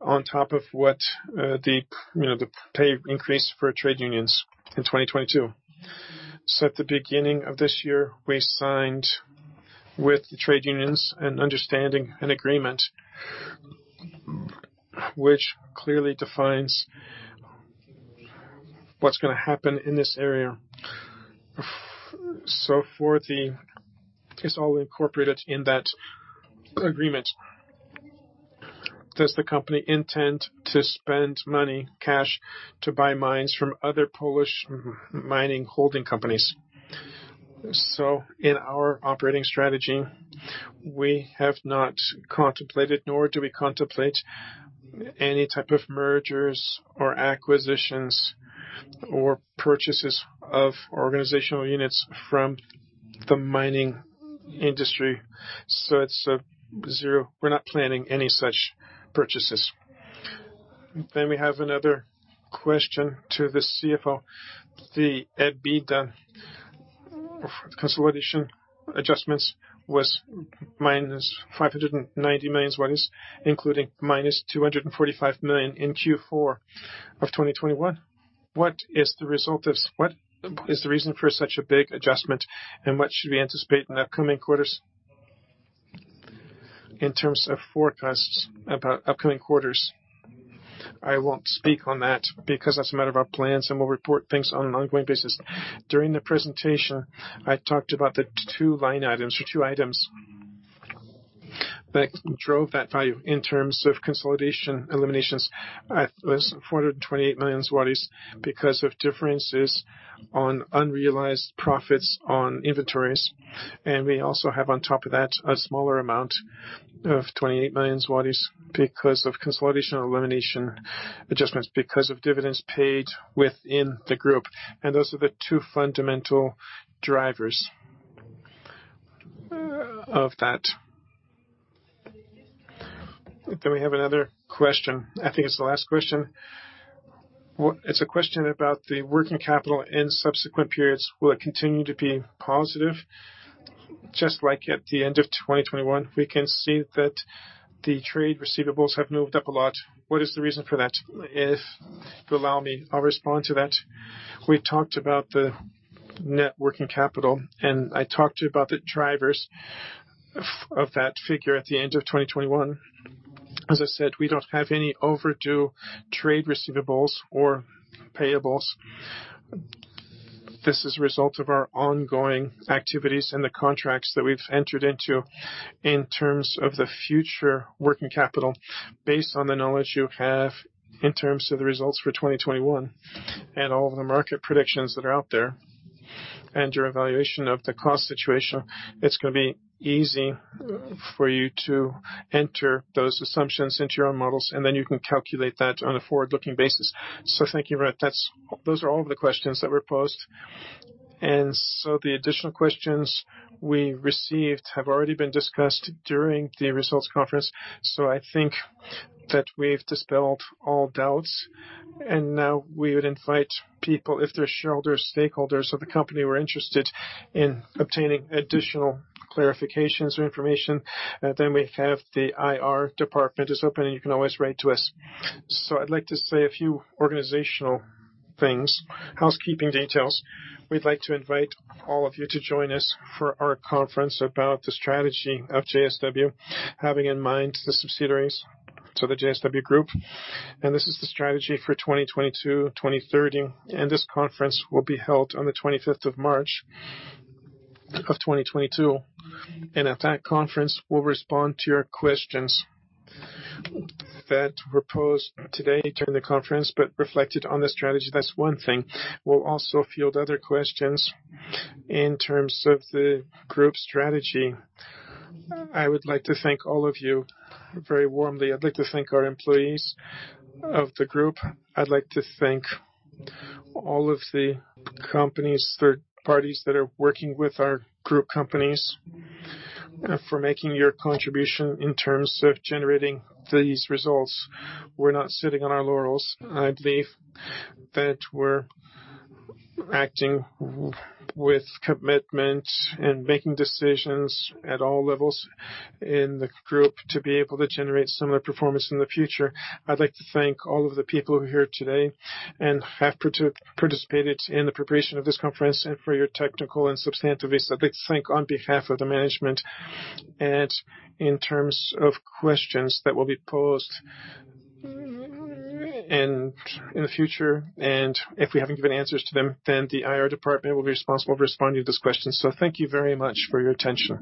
Speaker 1: on top of what, the, you know, the pay increase for trade unions in 2022? At the beginning of this year, we signed with the trade unions an understanding, an agreement which clearly defines what's gonna happen in this area. It's all incorporated in that agreement. Does the company intend to spend money, cash, to buy mines from other Polish mining holding companies? In our operating strategy, we have not contemplated, nor do we contemplate any type of mergers or acquisitions or purchases of organizational units from the mining industry. It's zero. We're not planning any such purchases. We have another question to the CFO. The EBITDA consolidation adjustments was -590 million including -245 million in Q4 of 2021. What is the reason for such a big adjustment? And what should we anticipate in the upcoming quarters?
Speaker 4: In terms of forecasts about upcoming quarters, I won't speak on that because that's a matter of our plans, and we'll report things on an ongoing basis. During the presentation, I talked about the two line items or two items that drove that value in terms of consolidation eliminations. It was 428 million zlotys because of differences on unrealized profits on inventories. We also have, on top of that, a smaller amount of 28 million zlotys because of consolidation elimination adjustments because of dividends paid within the group. Those are the two fundamental drivers of that.
Speaker 1: We have another question. I think it's the last question. It's a question about the working capital in subsequent periods. Will it continue to be positive just like at the end of 2021? We can see that the trade receivables have moved up a lot. What is the reason for that?
Speaker 4: If you allow me, I'll respond to that. We talked about the net working capital, and I talked to you about the drivers of that figure at the end of 2021. As I said, we don't have any overdue trade receivables or payables. This is a result of our ongoing activities and the contracts that we've entered into. In terms of the future working capital, based on the knowledge you have in terms of the results for 2021 and all of the market predictions that are out there and your evaluation of the cost situation, it's gonna be easy for you to enter those assumptions into your own models, and then you can calculate that on a forward-looking basis.
Speaker 1: Thank you. Right. Those are all the questions that were posed. The additional questions we received have already been discussed during the results conference. I think that we've dispelled all doubts. Now we would invite people, if there are shareholders, stakeholders of the company who are interested in obtaining additional clarifications or information, then we have the IR department is open and you can always write to us. I'd like to say a few organizational things, housekeeping details. We'd like to invite all of you to join us for our conference about the strategy of JSW, having in mind the subsidiaries to the JSW Group. This is the strategy for 2022, 2030. This conference will be held on the 25th of March of 2022. At that conference, we'll respond to your questions that were posed today during the conference, but reflected on the strategy. That's one thing. We'll also field other questions in terms of the group strategy. I would like to thank all of you very warmly. I'd like to thank our employees of the group. I'd like to thank all of the companies, third parties that are working with our group companies, for making your contribution in terms of generating these results. We're not sitting on our laurels. I believe that we're acting with commitment and making decisions at all levels in the group to be able to generate similar performance in the future. I'd like to thank all of the people who are here today and have participated in the preparation of this conference and for your technical and substantive input. I'd like to thank on behalf of the management. In terms of questions that will be posed and in the future, and if we haven't given answers to them, then the IR department will be responsible for responding to those questions. Thank you very much for your attention.